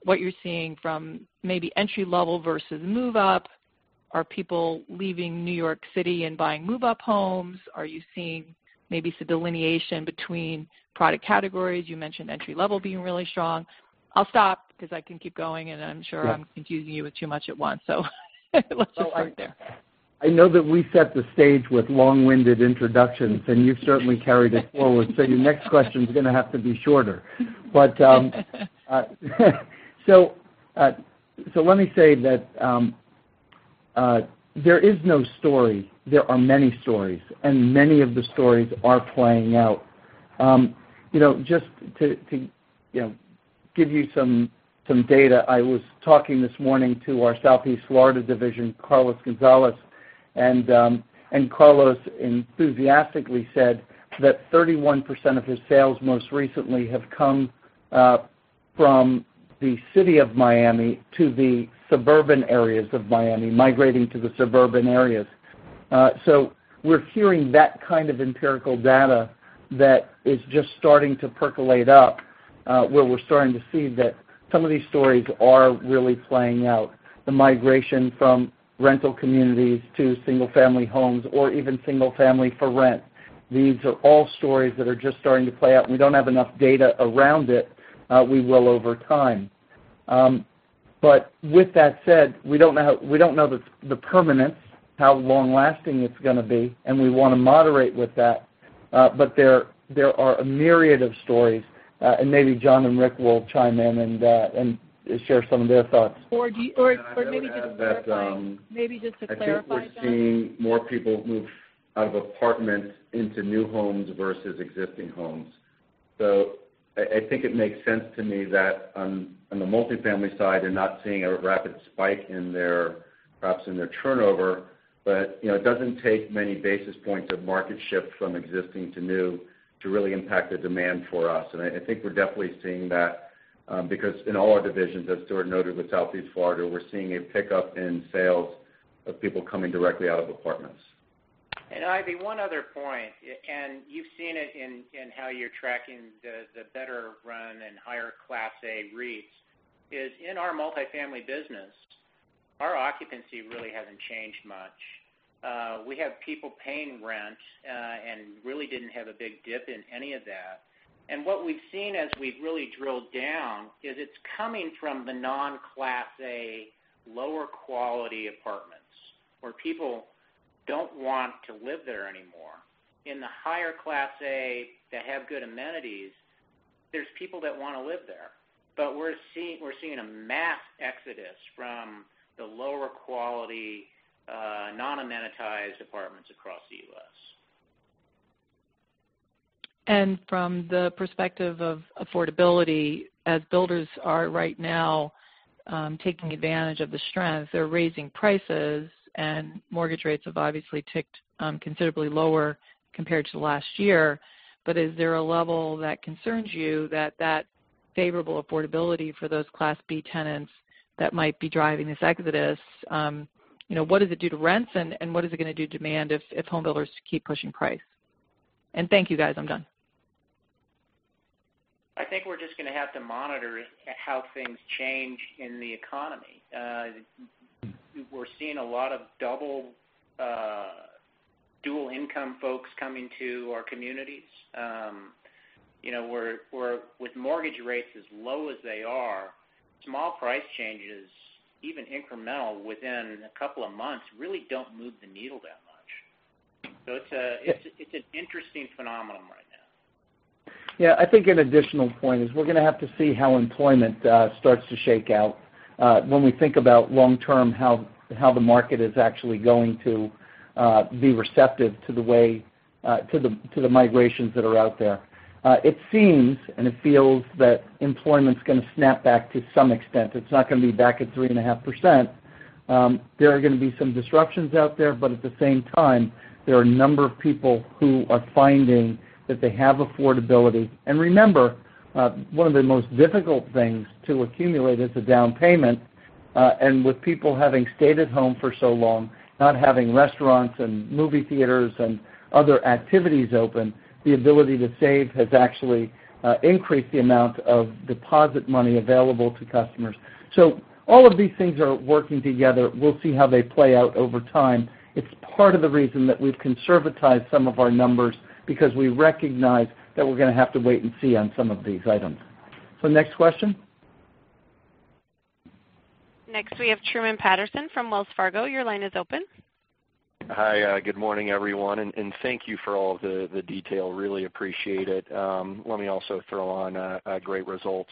what you're seeing from maybe entry-level versus move-up. Are people leaving New York City and buying move-up homes? Are you seeing maybe some delineation between product categories? You mentioned entry-level being really strong. I'll stop because I can keep going, and I'm sure I'm confusing you with too much at once. Let's just start there. I know that we set the stage with long-winded introductions, and you've certainly carried it forward. Your next question's going to have to be shorter. Let me say that there is no story. There are many stories, and many of the stories are playing out. Just to give you some data, I was talking this morning to our Southeast Florida division, Carlos Gonzalez, and Carlos enthusiastically said that 31% of his sales most recently have come from the city of Miami to the suburban areas of Miami, migrating to the suburban areas. We're hearing that kind of empirical data that is just starting to percolate up where we're starting to see that some of these stories are really playing out. The migration from rental communities to single-family homes or even single-family for rent. These are all stories that are just starting to play out, and we don't have enough data around it. We will over time. With that said, we don't know the permanence, how long-lasting it's going to be, and we want to moderate with that. There are a myriad of stories, and maybe Jon and Rick will chime in and share some of their thoughts. Or maybe just to clarify- I would add that- Maybe just to clarify, Jon. I think we're seeing more people move out of apartments into new homes versus existing homes. I think it makes sense to me that on the multifamily side, they're not seeing a rapid spike perhaps in their turnover, but it doesn't take many basis points of market shift from existing to new to really impact the demand for us. I think we're definitely seeing that because in all our divisions, as Stuart noted with Southeast Florida, we're seeing a pickup in sales of people coming directly out of apartments. Ivy, one other point, you've seen it in how you're tracking the better-run and higher Class A REITs, is in our multifamily business, our occupancy really hasn't changed much. We have people paying rent, really didn't have a big dip in any of that. What we've seen as we've really drilled down is it's coming from the non-Class A, lower-quality apartments where people don't want to live there anymore. In the higher Class A that have good amenities, there's people that want to live there. We're seeing a mass exodus from the lower quality, non-amenitized apartments across the U.S. From the perspective of affordability, as builders are right now taking advantage of the strength, they're raising prices, and mortgage rates have obviously ticked considerably lower compared to last year. Is there a level that concerns you that that favorable affordability for those Class B tenants that might be driving this exodus, what does it do to rents and what is it going to do to demand if home builders keep pushing price? Thank you, guys. I'm done. I think we're just going to have to monitor how things change in the economy. We're seeing a lot of dual-income folks coming to our communities. With mortgage rates as low as they are, small price changes, even incremental within a couple of months, really don't move the needle that much. It's an interesting phenomenon right now. I think an additional point is we're going to have to see how employment starts to shake out when we think about long-term, how the market is actually going to be receptive to the migrations that are out there. It seems, and it feels that employment is going to snap back to some extent. It's not going to be back at 3.5%. There are going to be some disruptions out there, but at the same time, there are a number of people who are finding that they have affordability. Remember, one of the most difficult things to accumulate is a down payment. With people having stayed at home for so long, not having restaurants and movie theaters and other activities open, the ability to save has actually increased the amount of deposit money available to customers. All of these things are working together. We'll see how they play out over time. It's part of the reason that we've conservatized some of our numbers, because we recognize that we're going to have to wait and see on some of these items. Next question. Next, we have Truman Patterson from Wells Fargo. Your line is open. Hi. Good morning, everyone, thank you for all of the detail. Really appreciate it. Let me also throw on great results.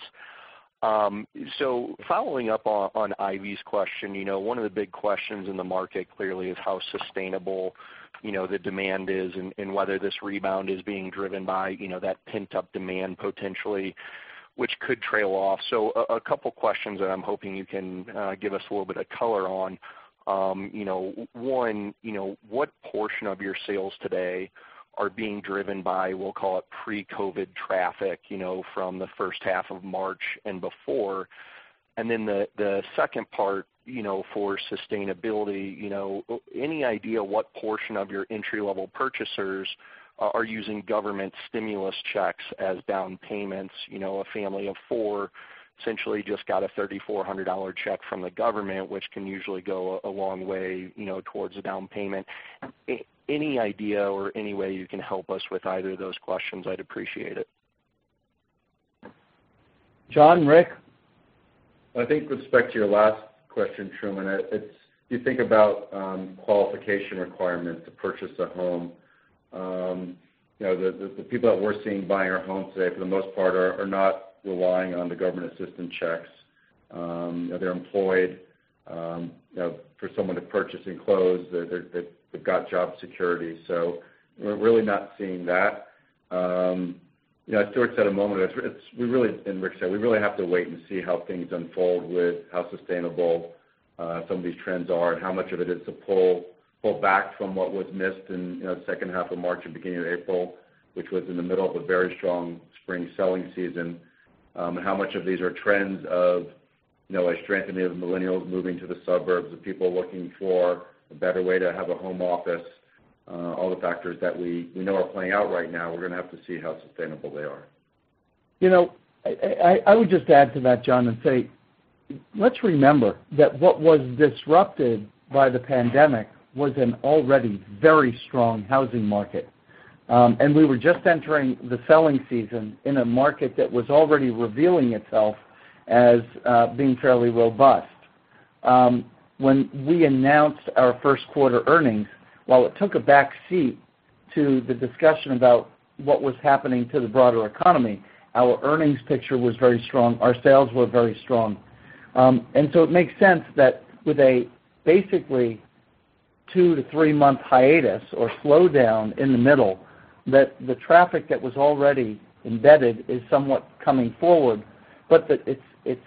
Following up on Ivy's question, one of the big questions in the market clearly is how sustainable the demand is and whether this rebound is being driven by that pent-up demand potentially, which could trail off. A couple of questions that I'm hoping you can give us a little bit of color on. One, what portion of your sales today are being driven by, we'll call it pre-COVID traffic from the first half of March and before? The second part for sustainability, any idea what portion of your entry-level purchasers are using government stimulus checks as down payments? A family of four essentially just got a $3,400 check from the government, which can usually go a long way towards a down payment. Any idea or any way you can help us with either of those questions, I'd appreciate it. Jon, Rick? I think with respect to your last question, Truman, if you think about qualification requirements to purchase a home, the people that we're seeing buying our homes today, for the most part, are not relying on the government assistance checks. They're employed. For someone to purchase and close, they've got job security. We're really not seeing that. As Stuart said a moment, Rick said, we really have to wait and see how things unfold with how sustainable some of these trends are and how much of it is a pull back from what was missed in the second half of March and beginning of April, which was in the middle of a very strong spring selling season. How much of these are trends of a strengthening of the millennials moving to the suburbs, of people looking for a better way to have a home office. All the factors that we know are playing out right now, we're going to have to see how sustainable they are. I would just add to that, Jon, and say, let's remember that what was disrupted by the pandemic was an already very strong housing market. We were just entering the selling season in a market that was already revealing itself as being fairly robust. When we announced our first quarter earnings, while it took a back seat to the discussion about what was happening to the broader economy, our earnings picture was very strong. Our sales were very strong. It makes sense that with a basically two to three-month hiatus or slowdown in the middle, that the traffic that was already embedded is somewhat coming forward, but that it's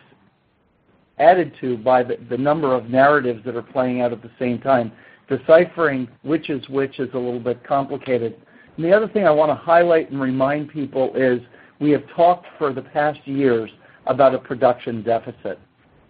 added to by the number of narratives that are playing out at the same time. Deciphering which is which is a little bit complicated. The other thing I want to highlight and remind people is we have talked for the past years about a production deficit.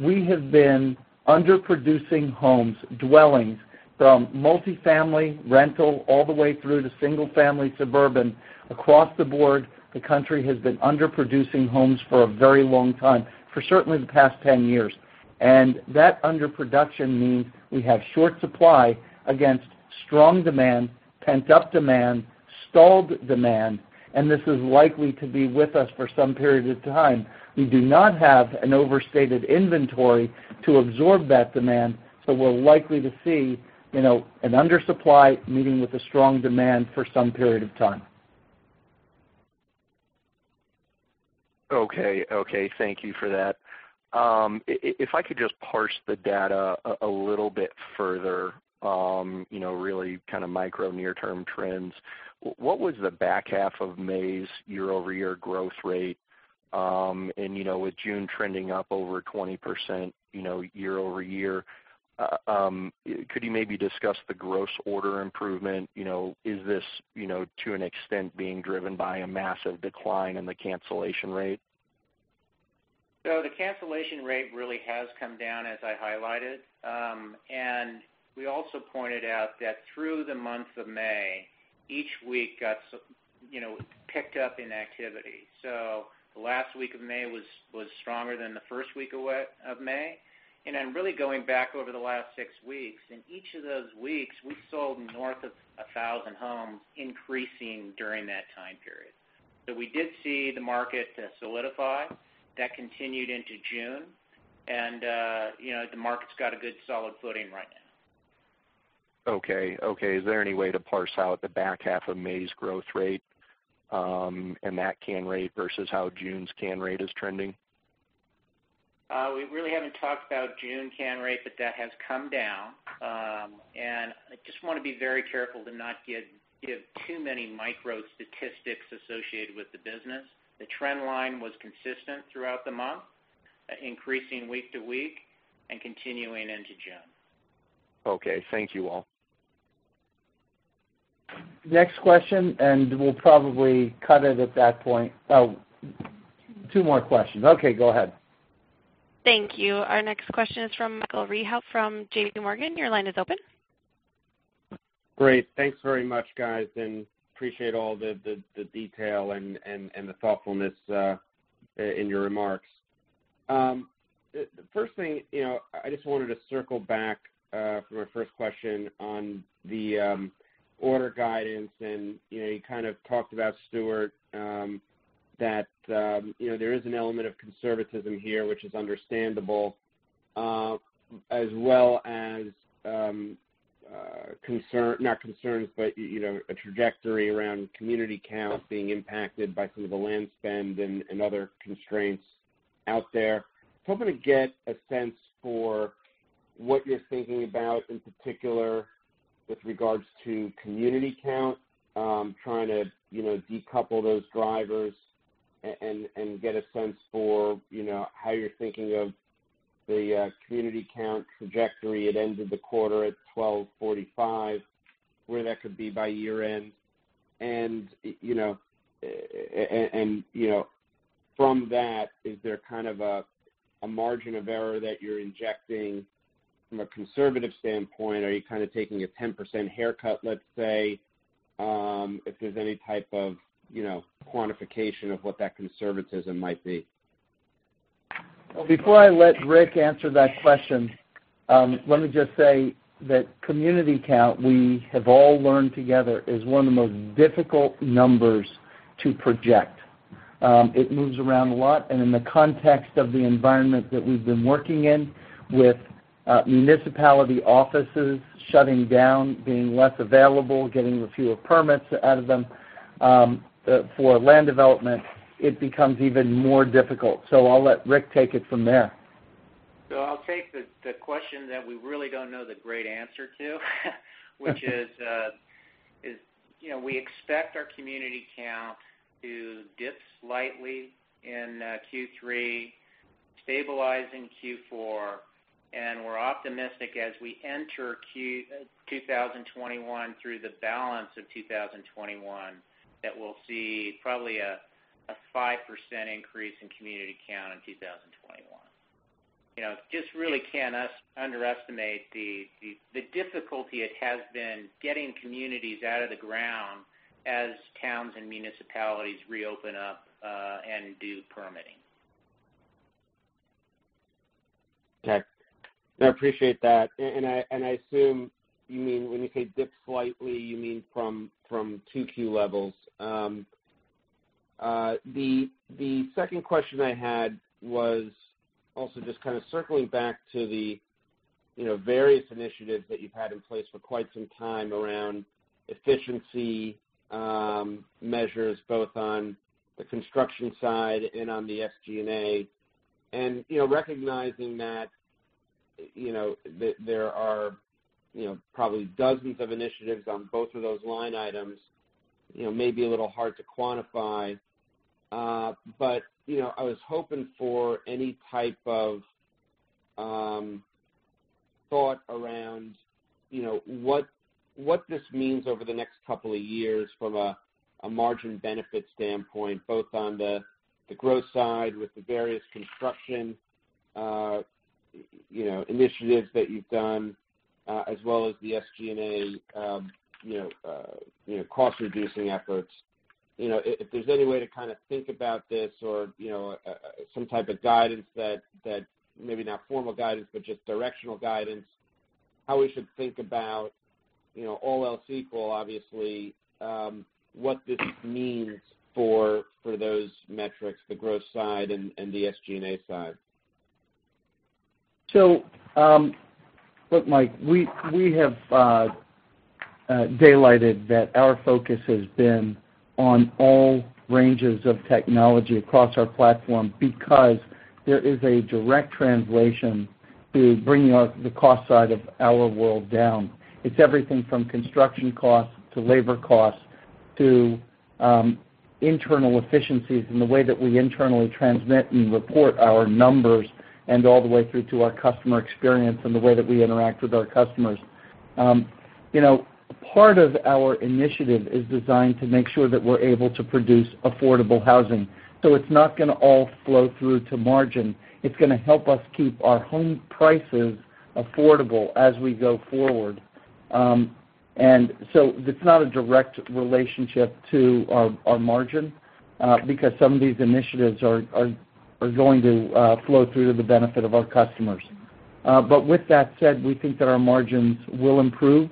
We have been underproducing homes, dwellings, from multifamily rental all the way through to single-family suburban. Across the board, the country has been underproducing homes for a very long time, for certainly the past 10 years. That underproduction means we have short supply against strong demand, pent-up demand, stalled demand, and this is likely to be with us for some period of time. We do not have an overstated inventory to absorb that demand, so we're likely to see an undersupply meeting with a strong demand for some period of time. Okay. Thank you for that. If I could just parse the data a little bit further, really kind of micro near-term trends. What was the back half of May's year-over-year growth rate? With June trending up over 20% year-over-year, could you maybe discuss the gross order improvement? Is this, to an extent, being driven by a massive decline in the cancellation rate? The cancellation rate really has come down as I highlighted. We also pointed out that through the month of May, each week got picked up in activity. The last week of May was stronger than the first week of May. Really going back over the last six weeks, in each of those weeks, we sold north of 1,000 homes increasing during that time period. We did see the market solidify. That continued into June, and the market's got a good solid footing right now. Okay. Is there any way to parse out the back half of May's growth rate, and that can rate versus how June's can rate is trending? We really haven't talked about June cancel rate, but that has come down. I just want to be very careful to not give too many micro statistics associated with the business. The trend line was consistent throughout the month, increasing week to week and continuing into June. Okay. Thank you, all. Next question. We'll probably cut it at that point. Oh, two more questions. Okay, go ahead. Thank you. Our next question is from Michael Rehaut from JPMorgan. Your line is open. Great. Thanks very much, guys, and appreciate all the detail and the thoughtfulness in your remarks. First thing, I just wanted to circle back for my first question on the order guidance, and you kind of talked about, Stuart, that there is an element of conservatism here, which is understandable, as well as not concerns, but a trajectory around community count being impacted by some of the land spend and other constraints out there. Hoping to get a sense for what you're thinking about in particular with regards to community count, trying to decouple those drivers and get a sense for how you're thinking of the community count trajectory. It ended the quarter at 1,245, where that could be by year end. From that, is there kind of a margin of error that you're injecting from a conservative standpoint? Are you kind of taking a 10% haircut, let's say, if there's any type of quantification of what that conservatism might be? Before I let Rick answer that question, let me just say that community count, we have all learned together, is one of the most difficult numbers to project. It moves around a lot, in the context of the environment that we've been working in with municipality offices shutting down, being less available, getting fewer permits out of them for land development, it becomes even more difficult. I'll let Rick take it from there. I'll take the question that we really don't know the great answer to, which is we expect our community count to dip slightly in Q3, stabilize in Q4, and we're optimistic as we enter 2021 through the balance of 2021, that we'll see probably a 5% increase in community count in 2021. Just really can't underestimate the difficulty it has been getting communities out of the ground as towns and municipalities reopen up, and do permitting. Okay. No, appreciate that. I assume you mean when you say dip slightly, you mean from 2Q levels. The second question I had was also just kind of circling back to the various initiatives that you've had in place for quite some time around efficiency measures, both on the construction side and on the SG&A. Recognizing that there are probably dozens of initiatives on both of those line items, maybe a little hard to quantify. I was hoping for any type of thought around what this means over the next couple of years from a margin benefit standpoint, both on the growth side with the various construction initiatives that you've done, as well as the SG&A cost-reducing efforts. If there's any way to kind of think about this or some type of guidance that, maybe not formal guidance, but just directional guidance, how we should think about all else equal, obviously, what this means for those metrics, the growth side and the SG&A side? Look, Mike, we have daylighted that our focus has been on all ranges of technology across our platform because there is a direct translation to bringing the cost side of our world down. It's everything from construction costs to labor costs to internal efficiencies in the way that we internally transmit and report our numbers, and all the way through to our customer experience and the way that we interact with our customers. Part of our initiative is designed to make sure that we're able to produce affordable housing. It's not going to all flow through to margin. It's going to help us keep our home prices affordable as we go forward. It's not a direct relationship to our margin because some of these initiatives are going to flow through to the benefit of our customers. With that said, we think that our margins will improve.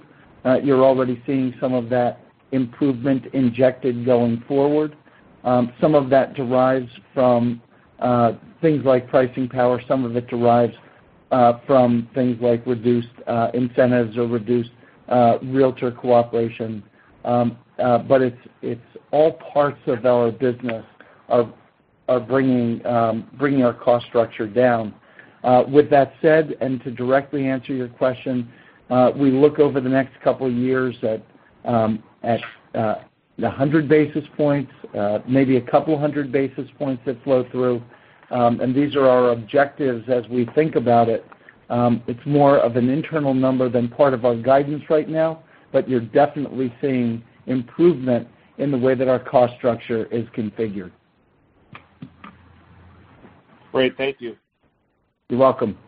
You're already seeing some of that improvement injected going forward. Some of that derives from things like pricing power, some of it derives from things like reduced incentives or reduced realtor cooperation. It's all parts of our business of bringing our cost structure down. With that said, and to directly answer your question, we look over the next couple of years at 100 basis points, maybe a couple of hundred basis points that flow through. These are our objectives as we think about it. It's more of an internal number than part of our guidance right now, but you're definitely seeing improvement in the way that our cost structure is configured. Great. Thank you. You're welcome.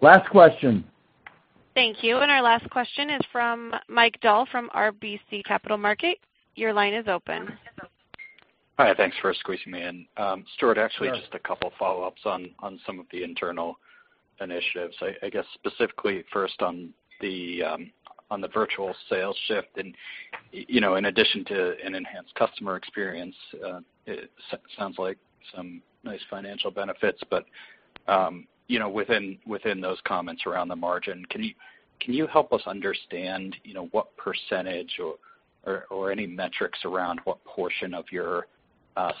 Last question. Thank you. Our last question is from Mike Dahl from RBC Capital Markets. Your line is open. Hi. Thanks for squeezing me in. Stuart, actually just a couple of follow-ups on some of the internal initiatives. I guess specifically first on the virtual sales shift and in addition to an enhanced customer experience, it sounds like some nice financial benefits, but within those comments around the margin, can you help us understand what percentage or any metrics around what portion of your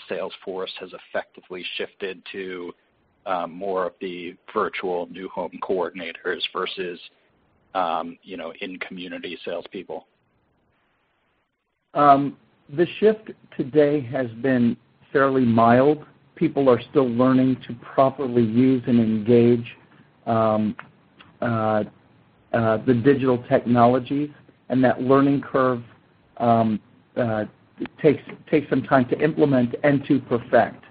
sales force has effectively shifted to more of the virtual new home coordinators versus in-community salespeople? The shift today has been fairly mild. People are still learning to properly use and engage the digital technology. That learning curve takes some time to implement and to perfect.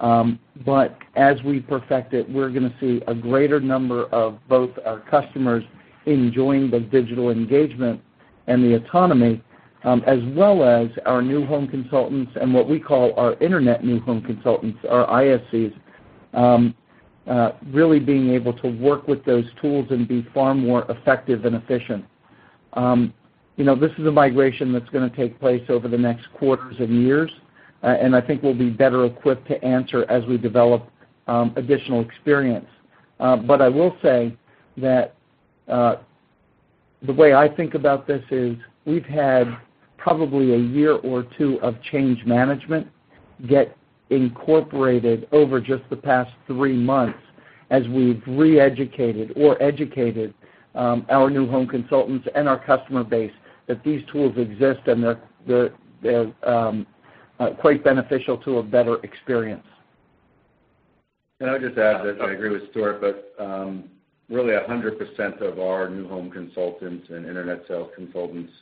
As we perfect it, we're going to see a greater number of both our customers enjoying the digital engagement and the autonomy, as well as our new home consultants and what we call our Internet new home consultants, our ISCs, really being able to work with those tools and be far more effective and efficient. This is a migration that's going to take place over the next quarters and years. I think we'll be better equipped to answer as we develop additional experience. I will say that the way I think about this is we've had probably a year or two of change management get incorporated over just the past three months as we've re-educated or educated our new home consultants and our customer base that these tools exist, and they're quite beneficial to a better experience. Can I just add that I agree with Stuart, but really 100% of our new home consultants and Internet Sales Consultants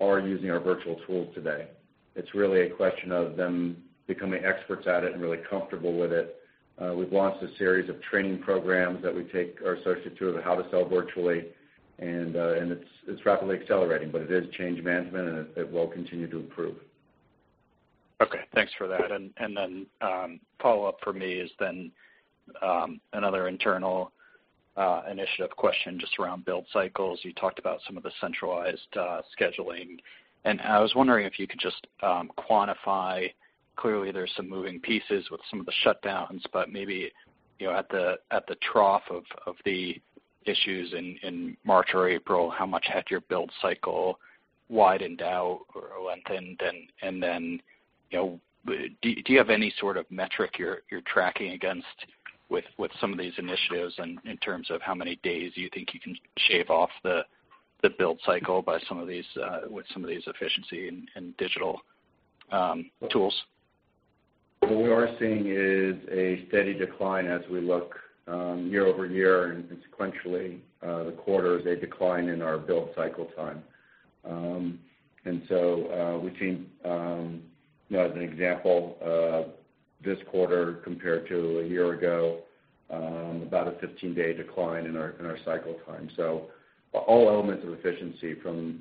are using our virtual tools today. It's really a question of them becoming experts at it and really comfortable with it. We've launched a series of training programs that we take our associates through of how to sell virtually, and it's rapidly accelerating, but it is change management, and it will continue to improve. Okay. Thanks for that. Follow-up for me is another internal initiative question just around build cycles. You talked about some of the centralized scheduling, and I was wondering if you could just quantify. Clearly, there's some moving pieces with some of the shutdowns, but maybe at the trough of the issues in March or April, how much had your build cycle widened out or lengthened? Do you have any sort of metric you're tracking against with some of these initiatives in terms of how many days you think you can shave off the build cycle with some of these efficiency and digital tools? What we are seeing is a steady decline as we look year-over-year and sequentially the quarter is a decline in our build cycle time. We've seen as an example of this quarter compared to a year ago, about a 15-day decline in our cycle time. All elements of efficiency from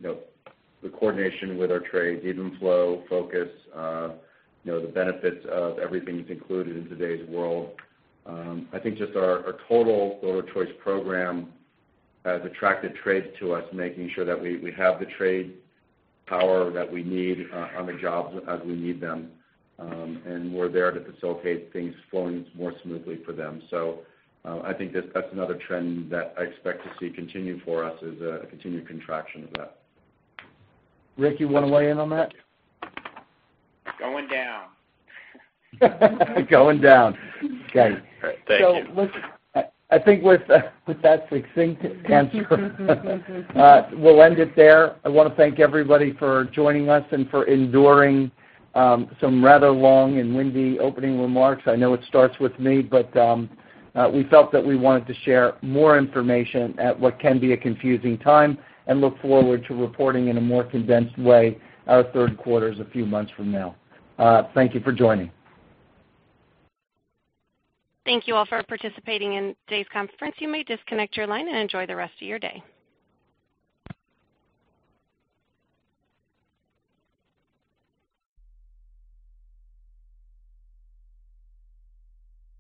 the coordination with our trades, even flow focus, the benefits of everything you've included in today's world. I think just our total Builder of Choice program has attracted trades to us, making sure that we have the trade power that we need on the jobs as we need them, and we're there to facilitate things flowing more smoothly for them. I think that's another trend that I expect to see continue for us is a continued contraction of that. Rick, you want to weigh in on that? Going down. Going down. Okay. All right. Thank you. Listen, I think with that succinct answer, we'll end it there. I want to thank everybody for joining us and for enduring some rather long and windy opening remarks. I know it starts with me, we felt that we wanted to share more information at what can be a confusing time and look forward to reporting in a more condensed way our third quarters a few months from now. Thank you for joining. Thank you all for participating in today's conference. You may disconnect your line and enjoy the rest of your day.